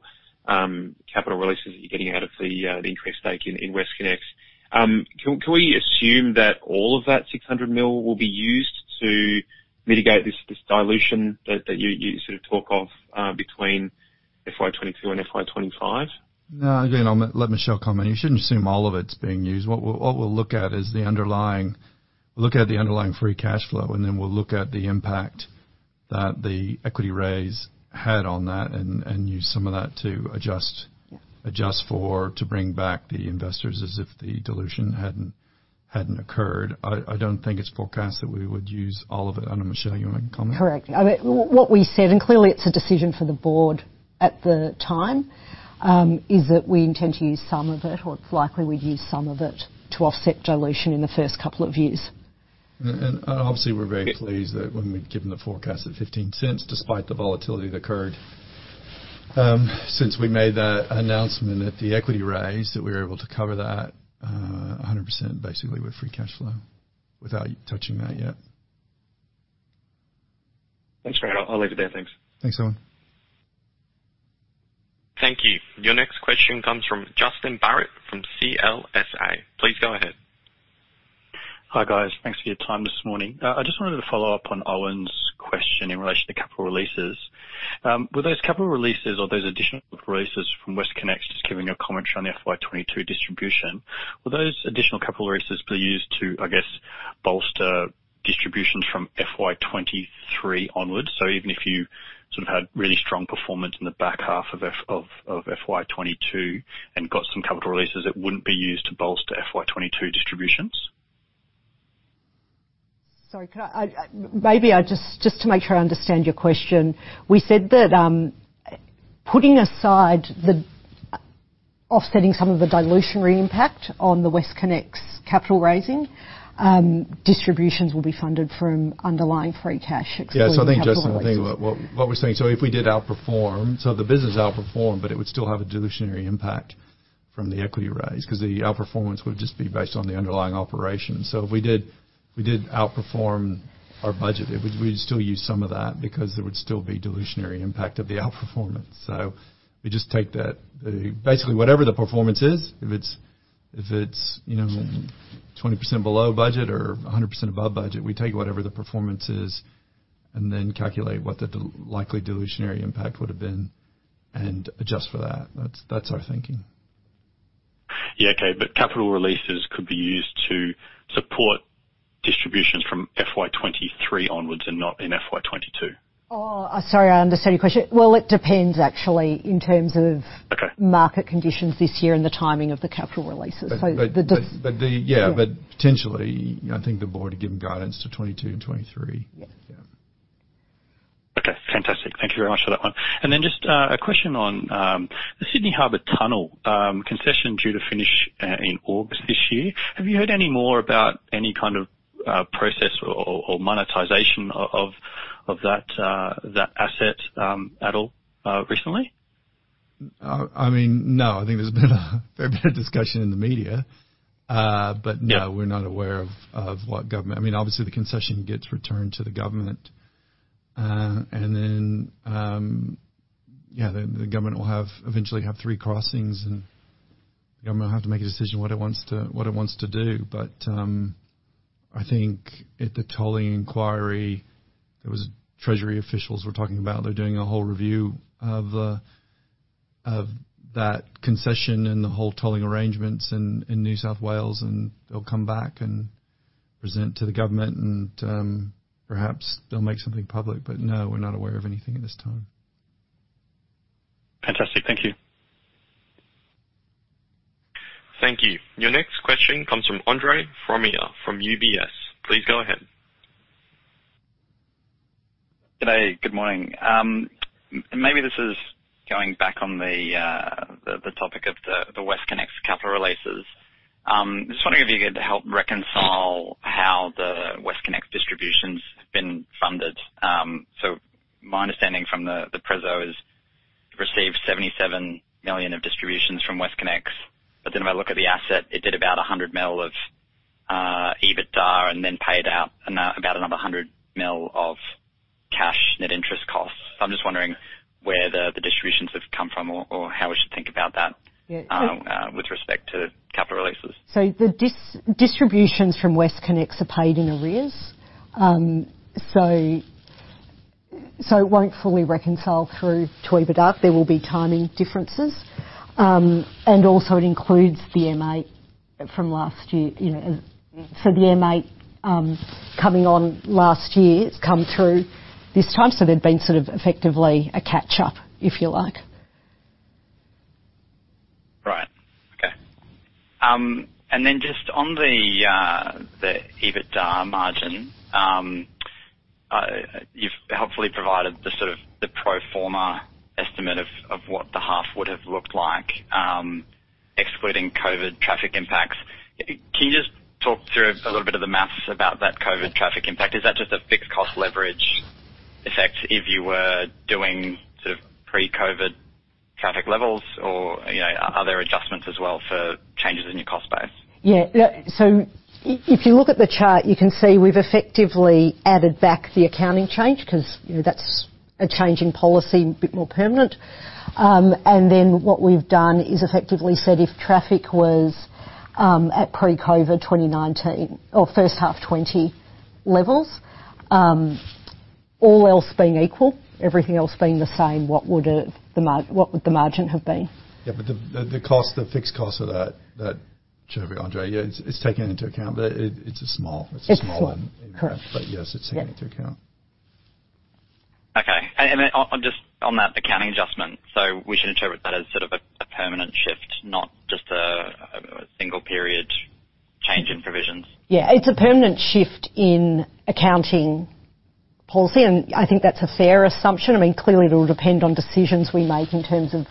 capital releases that you're getting out of the increased stake in WestConnex. Can we assume that all of that 600 million will be used to mitigate this dilution that you sort of talk of between FY 2022 and FY 2025? No. Again, I'll let Michelle comment. You shouldn't assume all of it's being used. What we'll look at is the underlying free cash flow, and then we'll look at the impact that the equity raise had on that and use some of that to adjust. Yeah Adjust for, to bring back the investors as if the dilution hadn't occurred. I don't think it's forecast that we would use all of it. I don't know, Michelle, you wanna make a comment? Correct. I mean, what we said, and clearly it's a decision for the board at the time, is that we intend to use some of it, or it's likely we'd use some of it to offset dilution in the first couple of years. Obviously we're very pleased that when we'd given the forecast at 0.15, despite the volatility that occurred since we made that announcement at the equity raise, that we were able to cover that 100% basically with free cash flow without touching that yet. Thanks, Scott. I'll leave it there, thanks. Thanks, Owen. Thank you. Your next question comes from Justin Barratt from CLSA. Please go ahead. Hi, guys. Thanks for your time this morning. I just wanted to follow up on Owen's question in relation to capital releases. Were those capital releases or those additional releases from WestConnex just giving a commentary on the FY 2022 distribution? Will those additional capital releases be used to, I guess, bolster distributions from FY 2023 onwards? Even if you sort of had really strong performance in the back half of FY 2022 and got some capital releases, it wouldn't be used to bolster FY 2022 distributions. Maybe I just to make sure I understand your question. We said that, putting aside the offsetting some of the dilutive impact on the WestConnex capital raising, distributions will be funded from underlying free cash excluding capital releases. Yeah. I think, Justin, the thing, what we're saying, if we did outperform, the business outperformed, but it would still have a dilutive impact from the equity raise 'cause the outperformance would just be based on the underlying operations. If we did outperform our budget, we'd still use some of that because there would still be dilutive impact of the outperformance. We just take that. Basically, whatever the performance is, if it's, you know, 20% below budget or 100% above budget, we take whatever the performance is and then calculate what the likely dilutive impact would have been and adjust for that. That's our thinking. Yeah, okay. Capital releases could be used to support distributions from FY 2023 onwards and not in FY 2022. Oh, sorry, I understand your question. Well, it depends actually in terms of. Okay. Market conditions this year and the timing of the capital releases. Yeah. Potentially, I think the board have given guidance to 22 and 23. Yes. Yeah. Okay, fantastic. Thank you very much for that one. Just a question on the Sydney Harbour Tunnel concession due to finish in August this year. Have you heard any more about any kind of process or monetization of that asset at all recently? I mean, no. I think there's been a fair bit of discussion in the media. Yeah. We're not aware of what government. I mean, obviously the concession gets returned to the government. The government will eventually have three crossings, and the government will have to make a decision what it wants to do. I think at the tolling inquiry, treasury officials were talking about they're doing a whole review of that concession and the whole tolling arrangements in New South Wales, and they'll come back and present to the government and, perhaps they'll make something public. No, we're not aware of anything at this time. Fantastic. Thank you. Thank you. Your next question comes from Andre Fromyhr from UBS. Please go ahead. G'day. Good morning. Maybe this is going back on the topic of the WestConnex capital releases. Just wondering if you could help reconcile how the WestConnex distributions have been funded. My understanding from the preso is received 77 million of distributions from WestConnex. If I look at the asset, it did about 100 million of EBITDA and then paid out about another 100 million of cash net interest costs. I'm just wondering where the distributions have come from or how we should think about that. Yeah. With respect to capital releases. The distributions from WestConnex are paid in arrears. It won't fully reconcile through to EBITDA. There will be timing differences. And also it includes the M8 from last year, you know, so the M8 coming on last year's come through this time. There'd been sort of effectively a catch up, if you like. Right. Okay. Just on the EBITDA margin, you've helpfully provided the sort of the pro forma estimate of what the half would have looked like, excluding COVID traffic impacts. Can you just talk through a little bit of the math about that COVID traffic impact? Is that just a fixed cost leverage effect if you were doing sort of pre-COVID traffic levels or, you know, are there adjustments as well for changes in your cost base? If you look at the chart, you can see we've effectively added back the accounting change 'cause, you know, that's a change in policy, a bit more permanent. What we've done is effectively said if traffic was at pre-COVID 2019 or first half 2020 levels, all else being equal, everything else being the same, what would the margin have been? Yeah. The fixed cost of that journey, Andre, yeah, it's taken into account, but it's a small. It's small. It's a small one. Correct. Yes, it's taken into account. Okay. On just that accounting adjustment. We should interpret that as sort of a permanent shift, not just a single period change in provisions. Yeah. It's a permanent shift in accounting policy, and I think that's a fair assumption. I mean, clearly it will depend on decisions we make in terms of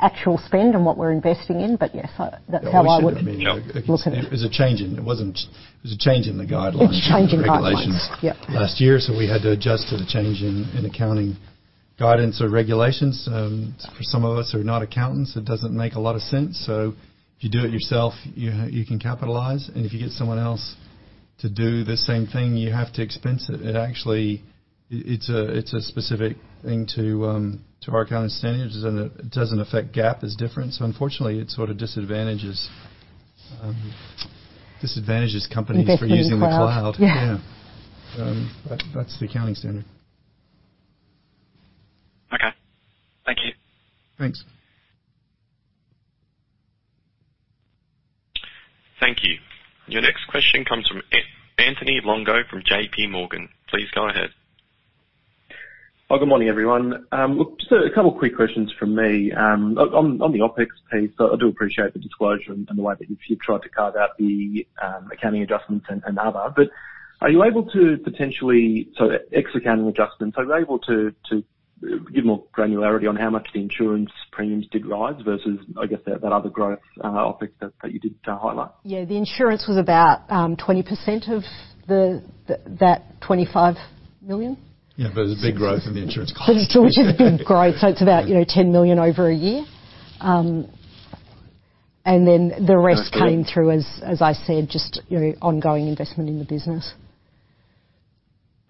actual spend and what we're investing in. Yes, that's how I would look at it. There's a change in the guidelines. It's a change in guidelines. And regulations. Yeah. Last year, so we had to adjust to the change in accounting policy. Guidance or regulations, for some of us who are not accountants, it doesn't make a lot of sense. If you do it yourself, you can capitalize, and if you get someone else to do the same thing, you have to expense it. It actually is a specific thing to our accounting standards, and it doesn't affect GAAP. It's different. Unfortunately, it sort of disadvantages companies for using the cloud. Invest in the cloud. Yeah. Yeah. That's the accounting standard. Okay. Thank you. Thanks. Thank you. Your next question comes from Anthony Longo from J.P. Morgan. Please go ahead. Well, good morning, everyone. Just a couple of quick questions from me. On the OpEx piece, I do appreciate the disclosure and the way that you've tried to carve out the accounting adjustments and other. Are you able to, ex accounting adjustments, give more granularity on how much the insurance premiums did rise versus, I guess, that other growth OpEx that you did highlight? Yeah. The insurance was about 20% of that 25 million. Yeah, it's a big growth in the insurance cost. It's still just been growth, so it's about 10 million over a year. Then the rest came through as I said, just ongoing investment in the business.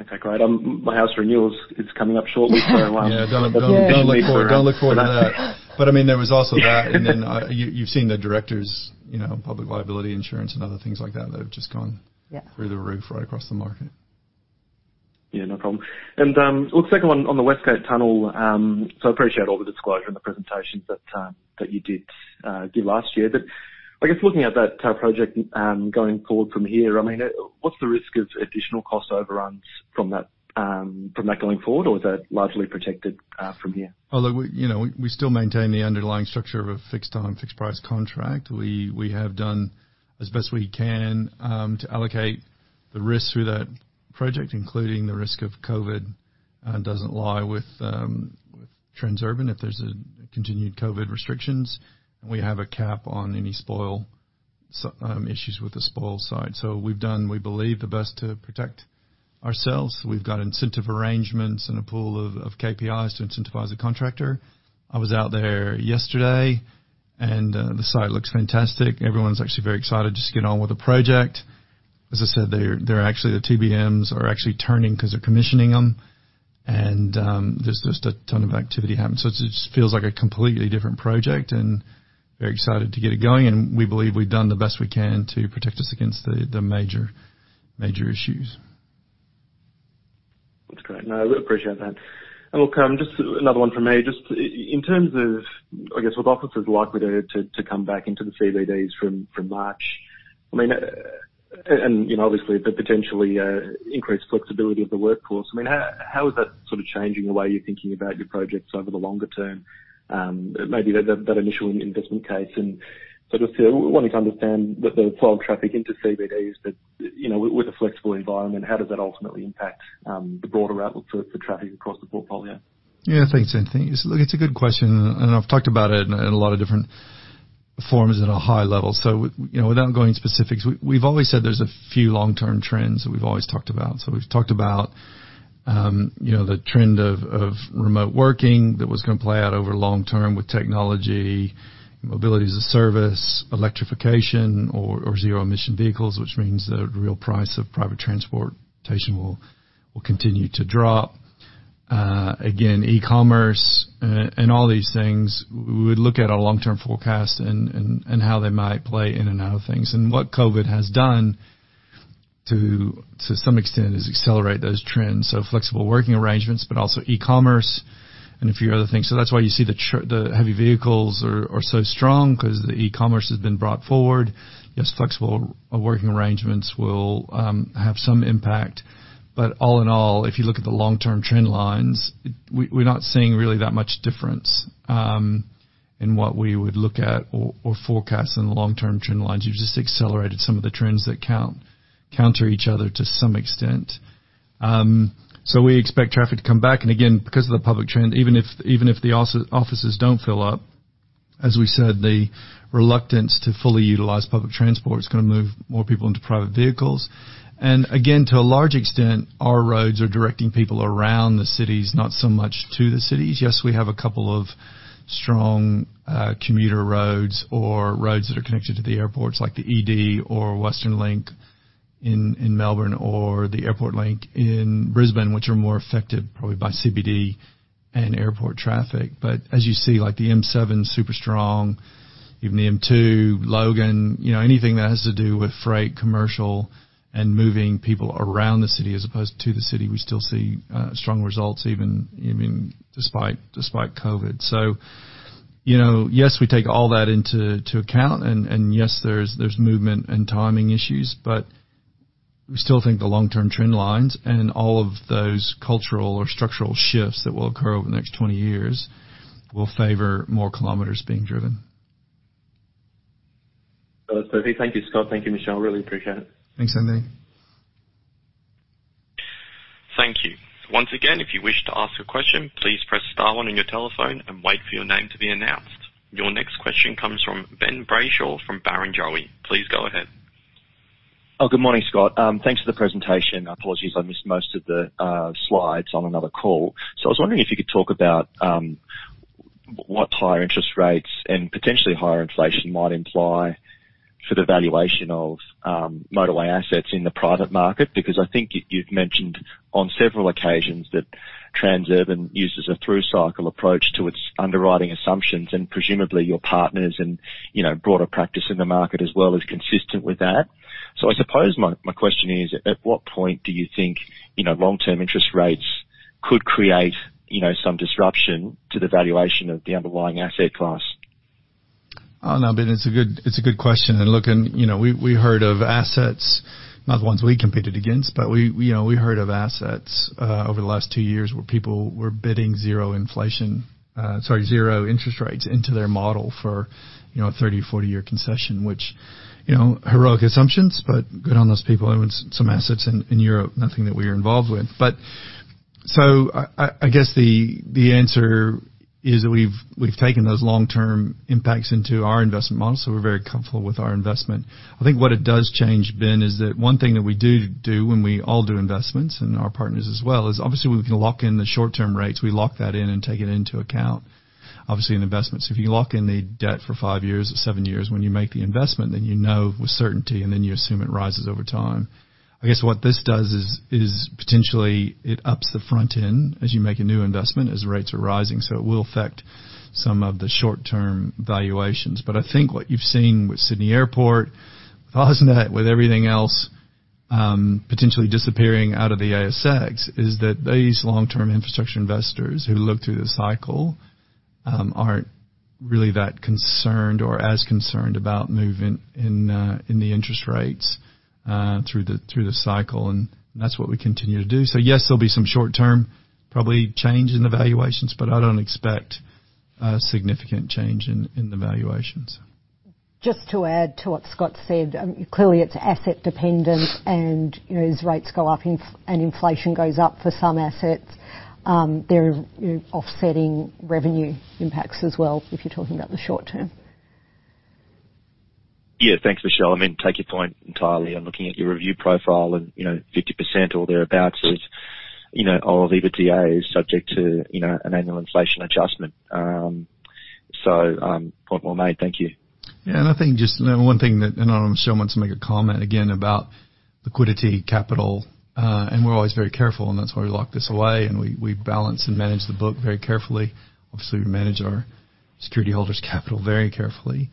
Okay, great. My house renewal is coming up shortly. Yeah. Don't look forward to that. I mean, there was also that. Yeah. You've seen the directors, you know, public liability insurance and other things like that that have just gone. Yeah Through the roof right across the market. Yeah, no problem. Look, second one on the West Gate Tunnel. I appreciate all the disclosure and the presentations that you did do last year. I guess looking at that project going forward from here, I mean, what's the risk of additional cost overruns from that going forward, or is that largely protected from here? Although we, you know, still maintain the underlying structure of a fixed time, fixed price contract. We have done as best we can to allocate the risk through that project, including the risk of COVID, doesn't lie with Transurban if there's a continued COVID restrictions. We have a cap on any spoil issues with the spoil site. We've done, we believe, the best to protect ourselves. We've got incentive arrangements and a pool of KPIs to incentivize the contractor. I was out there yesterday, the site looks fantastic. Everyone's actually very excited just to get on with the project. As I said, the TBMs are actually turning 'cause they're commissioning them. There's just a ton of activity happening. It just feels like a completely different project and very excited to get it going. We believe we've done the best we can to protect us against the major issues. That's great. No, I appreciate that. Look, just another one from me. Just in terms of, I guess, with offices likely to come back into the CBDs from March, I mean, and you know, obviously the potentially increased flexibility of the workforce, I mean, how is that sort of changing the way you're thinking about your projects over the longer term, maybe that initial investment case. Sort of wanting to understand the flow of traffic into CBDs that, you know, with a flexible environment, how does that ultimately impact the broader outlook for traffic across the portfolio. Yeah, thanks, Anthony. Look, it's a good question, and I've talked about it in a lot of different forms at a high level. You know, without going into specifics, we've always said there's a few long-term trends that we've always talked about. We've talked about, you know, the trend of remote working that was gonna play out over long term with technology, mobility as a service, electrification or zero-emission vehicles, which means the real price of private transportation will continue to drop. Again, e-commerce and all these things, we look at our long-term forecast and how they might play in and out of things. What COVID has done to some extent is accelerate those trends. Flexible working arrangements, but also e-commerce and a few other things. That's why you see the heavy vehicles are so strong 'cause the e-commerce has been brought forward. Yes, flexible working arrangements will have some impact. But all in all, if you look at the long-term trend lines, we're not seeing really that much difference in what we would look at or forecast in the long-term trend lines. You've just accelerated some of the trends that counter each other to some extent. We expect traffic to come back. Again, because of the public trend, even if the offices don't fill up, as we said, the reluctance to fully utilize public transport is gonna move more people into private vehicles. Again, to a large extent, our roads are directing people around the cities, not so much to the cities. Yes, we have a couple of strong commuter roads or roads that are connected to the airports, like the ED or Western Link in Melbourne or the Airport Link in Brisbane, which are more affected probably by CBD and airport traffic. As you see, like the M7, super strong, even the M2, Logan, you know, anything that has to do with freight, commercial, and moving people around the city as opposed to the city, we still see strong results even despite COVID. You know, yes, we take all that into account. Yes, there's movement and timing issues, but we still think the long-term trend lines and all of those cultural or structural shifts that will occur over the next 20 years will favor more kilometers being driven. Understood. Thank you, Scott. Thank you, Michelle. Really appreciate it. Thanks, Anthony. Thank you. Once again, if you wish to ask a question, please press star one on your telephone and wait for your name to be announced. Your next question comes from Ben Brayshaw from Barrenjoey. Please go ahead. Oh, good morning, Scott. Thanks for the presentation. Apologies, I missed most of the slides on another call. I was wondering if you could talk about what higher interest rates and potentially higher inflation might imply for the valuation of motorway assets in the private market. Because I think you've mentioned on several occasions that Transurban uses a through cycle approach to its underwriting assumptions and presumably your partners and, you know, broader practice in the market as well is consistent with that. I suppose my question is, at what point do you think, you know, long-term interest rates could create, you know, some disruption to the valuation of the underlying asset class? Oh, no, Ben, it's a good question. Look, you know, we heard of assets, not the ones we competed against, but you know, we heard of assets over the last two years where people were bidding zero interest rates into their model for, you know, a 30-year, 40-year concession, which, you know, heroic assumptions, but good on those people. It was some assets in Europe, nothing that we're involved with. I guess the answer is that we've taken those long-term impacts into our investment model, so we're very comfortable with our investment. I think what it does change, Ben, is that one thing that we do when we all do investments, and our partners as well, is obviously when we can lock in the short-term rates, we lock that in and take it into account, obviously in investments. If you lock in the debt for five years or seven years when you make the investment, then you know with certainty, and then you assume it rises over time. I guess what this does is potentially it ups the front end as you make a new investment as rates are rising, so it will affect some of the short-term valuations. I think what you've seen with Sydney Airport, with AusNet, with everything else, potentially disappearing out of the ASX, is that these long-term infrastructure investors who look through the cycle aren't really that concerned or as concerned about movement in the interest rates through the cycle, and that's what we continue to do. Yes, there'll be some short-term probably change in the valuations, but I don't expect a significant change in the valuations. Just to add to what Scott said, clearly it's asset dependent and, you know, as rates go up and inflation goes up for some assets, there are, you know, offsetting revenue impacts as well, if you're talking about the short term. Yeah. Thanks, Michelle. I mean, take your point entirely on looking at your revenue profile and, you know, 50% or thereabouts is, you know, or EBITDA is subject to, you know, an annual inflation adjustment. Point well made. Thank you. I think just one thing that, and I know Michelle wants to make a comment again about liquidity capital, and we're always very careful, and that's why we lock this away and we balance and manage the book very carefully. Obviously, we manage our security holders' capital very carefully.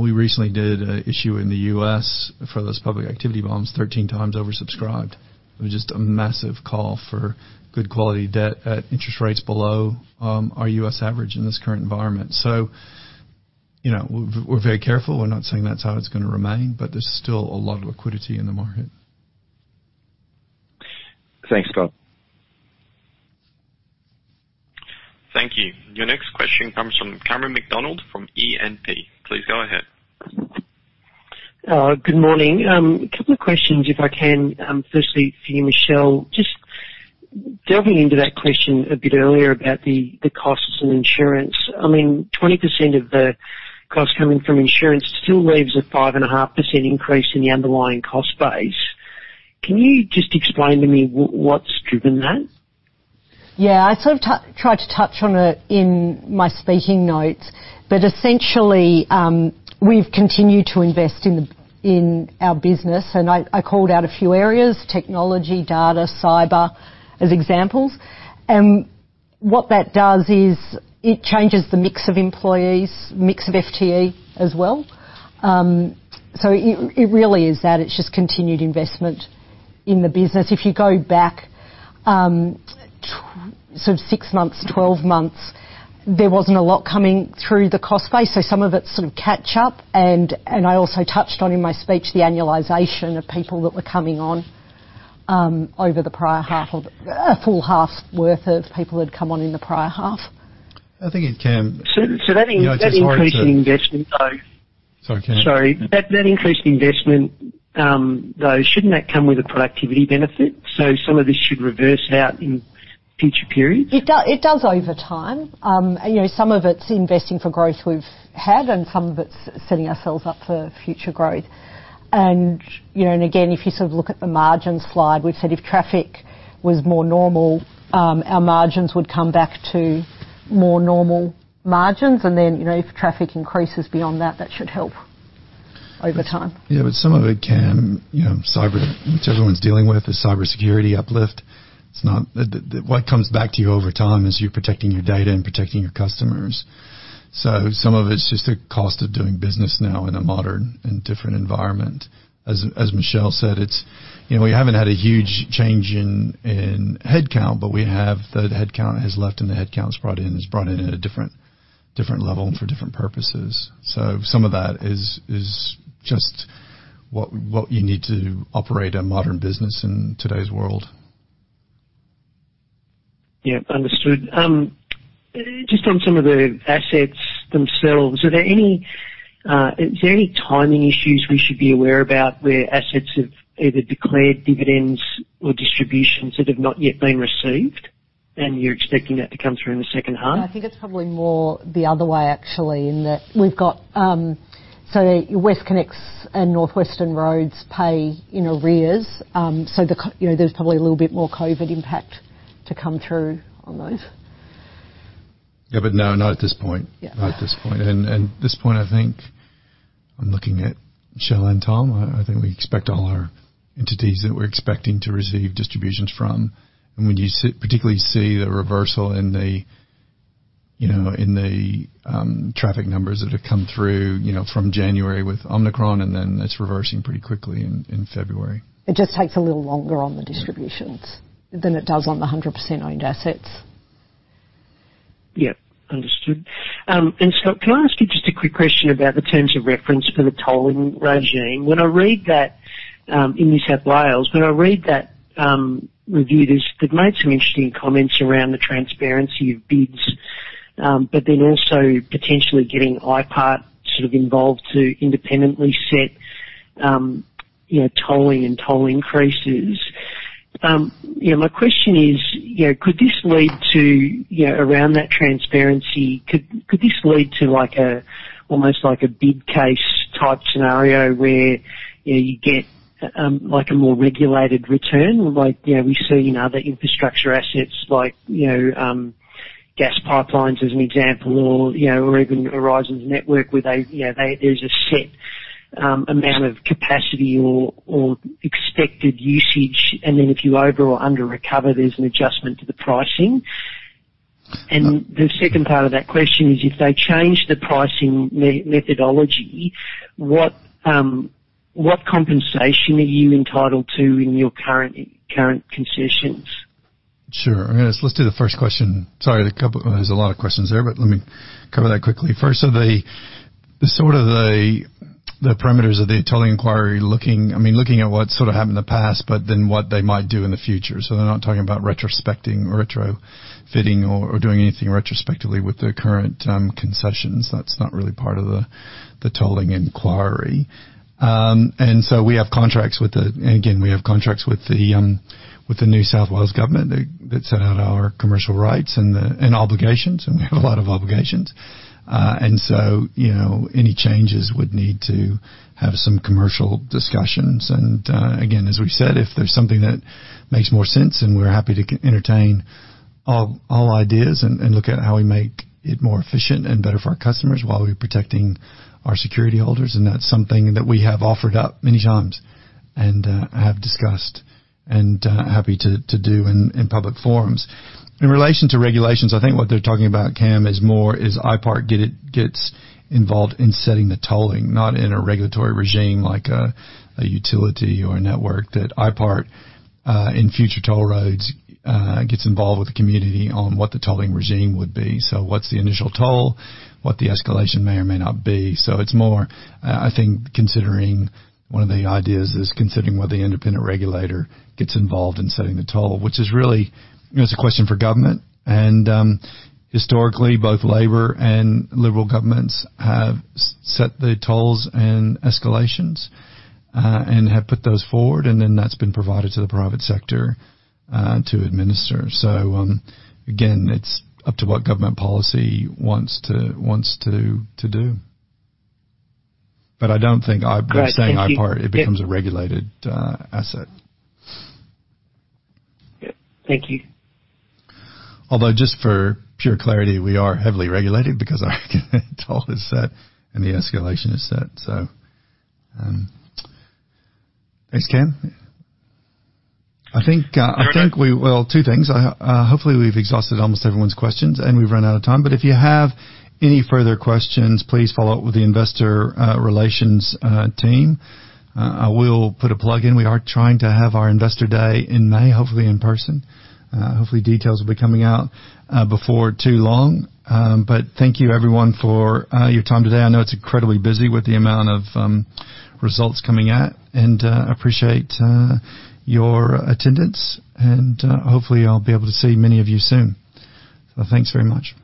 We recently did an issue in the U.S. for those private activity bonds, 13x oversubscribed. It was just a massive call for good quality debt at interest rates below our U.S. average in this current environment. You know, we're very careful. We're not saying that's how it's gonna remain, but there's still a lot of liquidity in the market. Thanks, Scott. Thank you. Your next question comes from Cameron McDonald from E&P. Please go ahead. Good morning. A couple of questions, if I can. Firstly for you, Michelle, just delving into that question a bit earlier about the costs in insurance. I mean, 20% of the cost coming from insurance still leaves a 5.5% increase in the underlying cost base. Can you just explain to me what's driven that? Yeah. I sort of tried to touch on it in my speaking notes, but essentially, we've continued to invest in our business, and I called out a few areas: technology, data, cyber, as examples. What that does is it changes the mix of employees, mix of FTE as well. It really is that. It's just continued investment in the business. If you go back sort of six months, 12 months, there wasn't a lot coming through the cost base, so some of it is sort of catch up. I also touched on in my speech the annualization of people that were coming on over the prior half. A full half's worth of people had come on in the prior half. I think it can. So, so that. You know, it's hard to. That increase in investment, though. Sorry, Cameron. Sorry. That increase in investment, though, shouldn't that come with a productivity benefit? Some of this should reverse out in future periods. It does over time. You know, some of it's investing for growth we've had and some of it's setting ourselves up for future growth. You know, and again, if you sort of look at the margins slide, we've said if traffic was more normal, our margins would come back to more normal margins, and then, you know, if traffic increases beyond that should help over time. Yeah. Some of it, Cameron, you know, cyber, which everyone's dealing with, is cybersecurity uplift. What comes back to you over time is you're protecting your data and protecting your customers. Some of it's just the cost of doing business now in a modern and different environment. As Michelle said, it's, you know, we haven't had a huge change in headcount, but we have the headcount has left and the headcounts brought in is brought in at a different level and for different purposes. Some of that is just what you need to operate a modern business in today's world. Yeah. Understood. Just on some of the assets themselves, are there any timing issues we should be aware about where assets have either declared dividends or distributions that have not yet been received? You're expecting that to come through in the second half? I think it's probably more the other way, actually, in that we've got WestConnex and NorthWestern Roads pay in arrears. You know, there's probably a little bit more COVID impact to come through on those. Yeah, but no, not at this point. Yeah. Not at this point. At this point, I think I'm looking at Michelle and Tom. I think we expect all our entities that we're expecting to receive distributions from. When you particularly see the reversal in the, you know, traffic numbers that have come through, you know, from January with Omicron, and then it's reversing pretty quickly in February. It just takes a little longer on the distributions. Yeah. Than it does on the 100% owned assets. Yep, understood. Scott, can I ask you just a quick question about the terms of reference for the tolling regime? When I read that in New South Wales review, they've made some interesting comments around the transparency of bids, but then also potentially getting IPART sort of involved to independently set, you know, tolling and toll increases. You know, my question is, you know, could this lead to, you know, around that transparency, could this lead to like almost like a base case type scenario where, you know, you get like a more regulated return like, you know, we see in other infrastructure assets like, you know, gas pipelines as an example or, you know, or even Horizon Power where they, you know, there's a set amount of capacity or expected usage, and then if you over or under recover, there's an adjustment to the pricing. The second part of that question is if they change the pricing methodology, what compensation are you entitled to in your current concessions? Sure. Let's do the first question. Sorry, there's a lot of questions there, but let me cover that quickly. First are the sort of parameters of the tolling inquiry, looking, I mean, at what sort of happened in the past, but then what they might do in the future. They're not talking about retrospecting, retrofitting, or doing anything retrospectively with the current concessions. That's not really part of the tolling inquiry. We have contracts with the New South Wales Government that set out our commercial rights and obligations, and we have a lot of obligations. You know, any changes would need to have some commercial discussions. As we said, if there's something that makes more sense, then we're happy to entertain all ideas and look at how we make it more efficient and better for our customers while we're protecting our security holders. That's something that we have offered up many times and have discussed and happy to do in public forums. In relation to regulations, I think what they're talking about, Cameron, is IPART gets involved in setting the tolling, not in a regulatory regime like a utility or a network that IPART in future toll roads gets involved with the community on what the tolling regime would be. So what's the initial toll, what the escalation may or may not be. It's more, I think considering one of the ideas is whether the independent regulator gets involved in setting the toll, which is really, you know, it's a question for government. Historically, both Labor and Liberal governments have set the tolls and escalations, and have put those forward, and then that's been provided to the private sector, to administer. Again, it's up to what government policy wants to do. I don't think IPART. Right. Thank you. Yep. It becomes a regulated asset. Yep. Thank you. Although just for pure clarity, we are heavily regulated because our toll is set and the escalation is set. Thanks, Cameron. No worries. I think well, two things. Hopefully, we've exhausted almost everyone's questions, and we've run out of time. If you have any further questions, please follow up with the investor relations team. I will put a plug in. We are trying to have our investor day in May, hopefully in person. Hopefully, details will be coming out before too long. Thank you everyone for your time today. I know it's incredibly busy with the amount of results coming out and appreciate your attendance and hopefully I'll be able to see many of you soon. Thanks very much.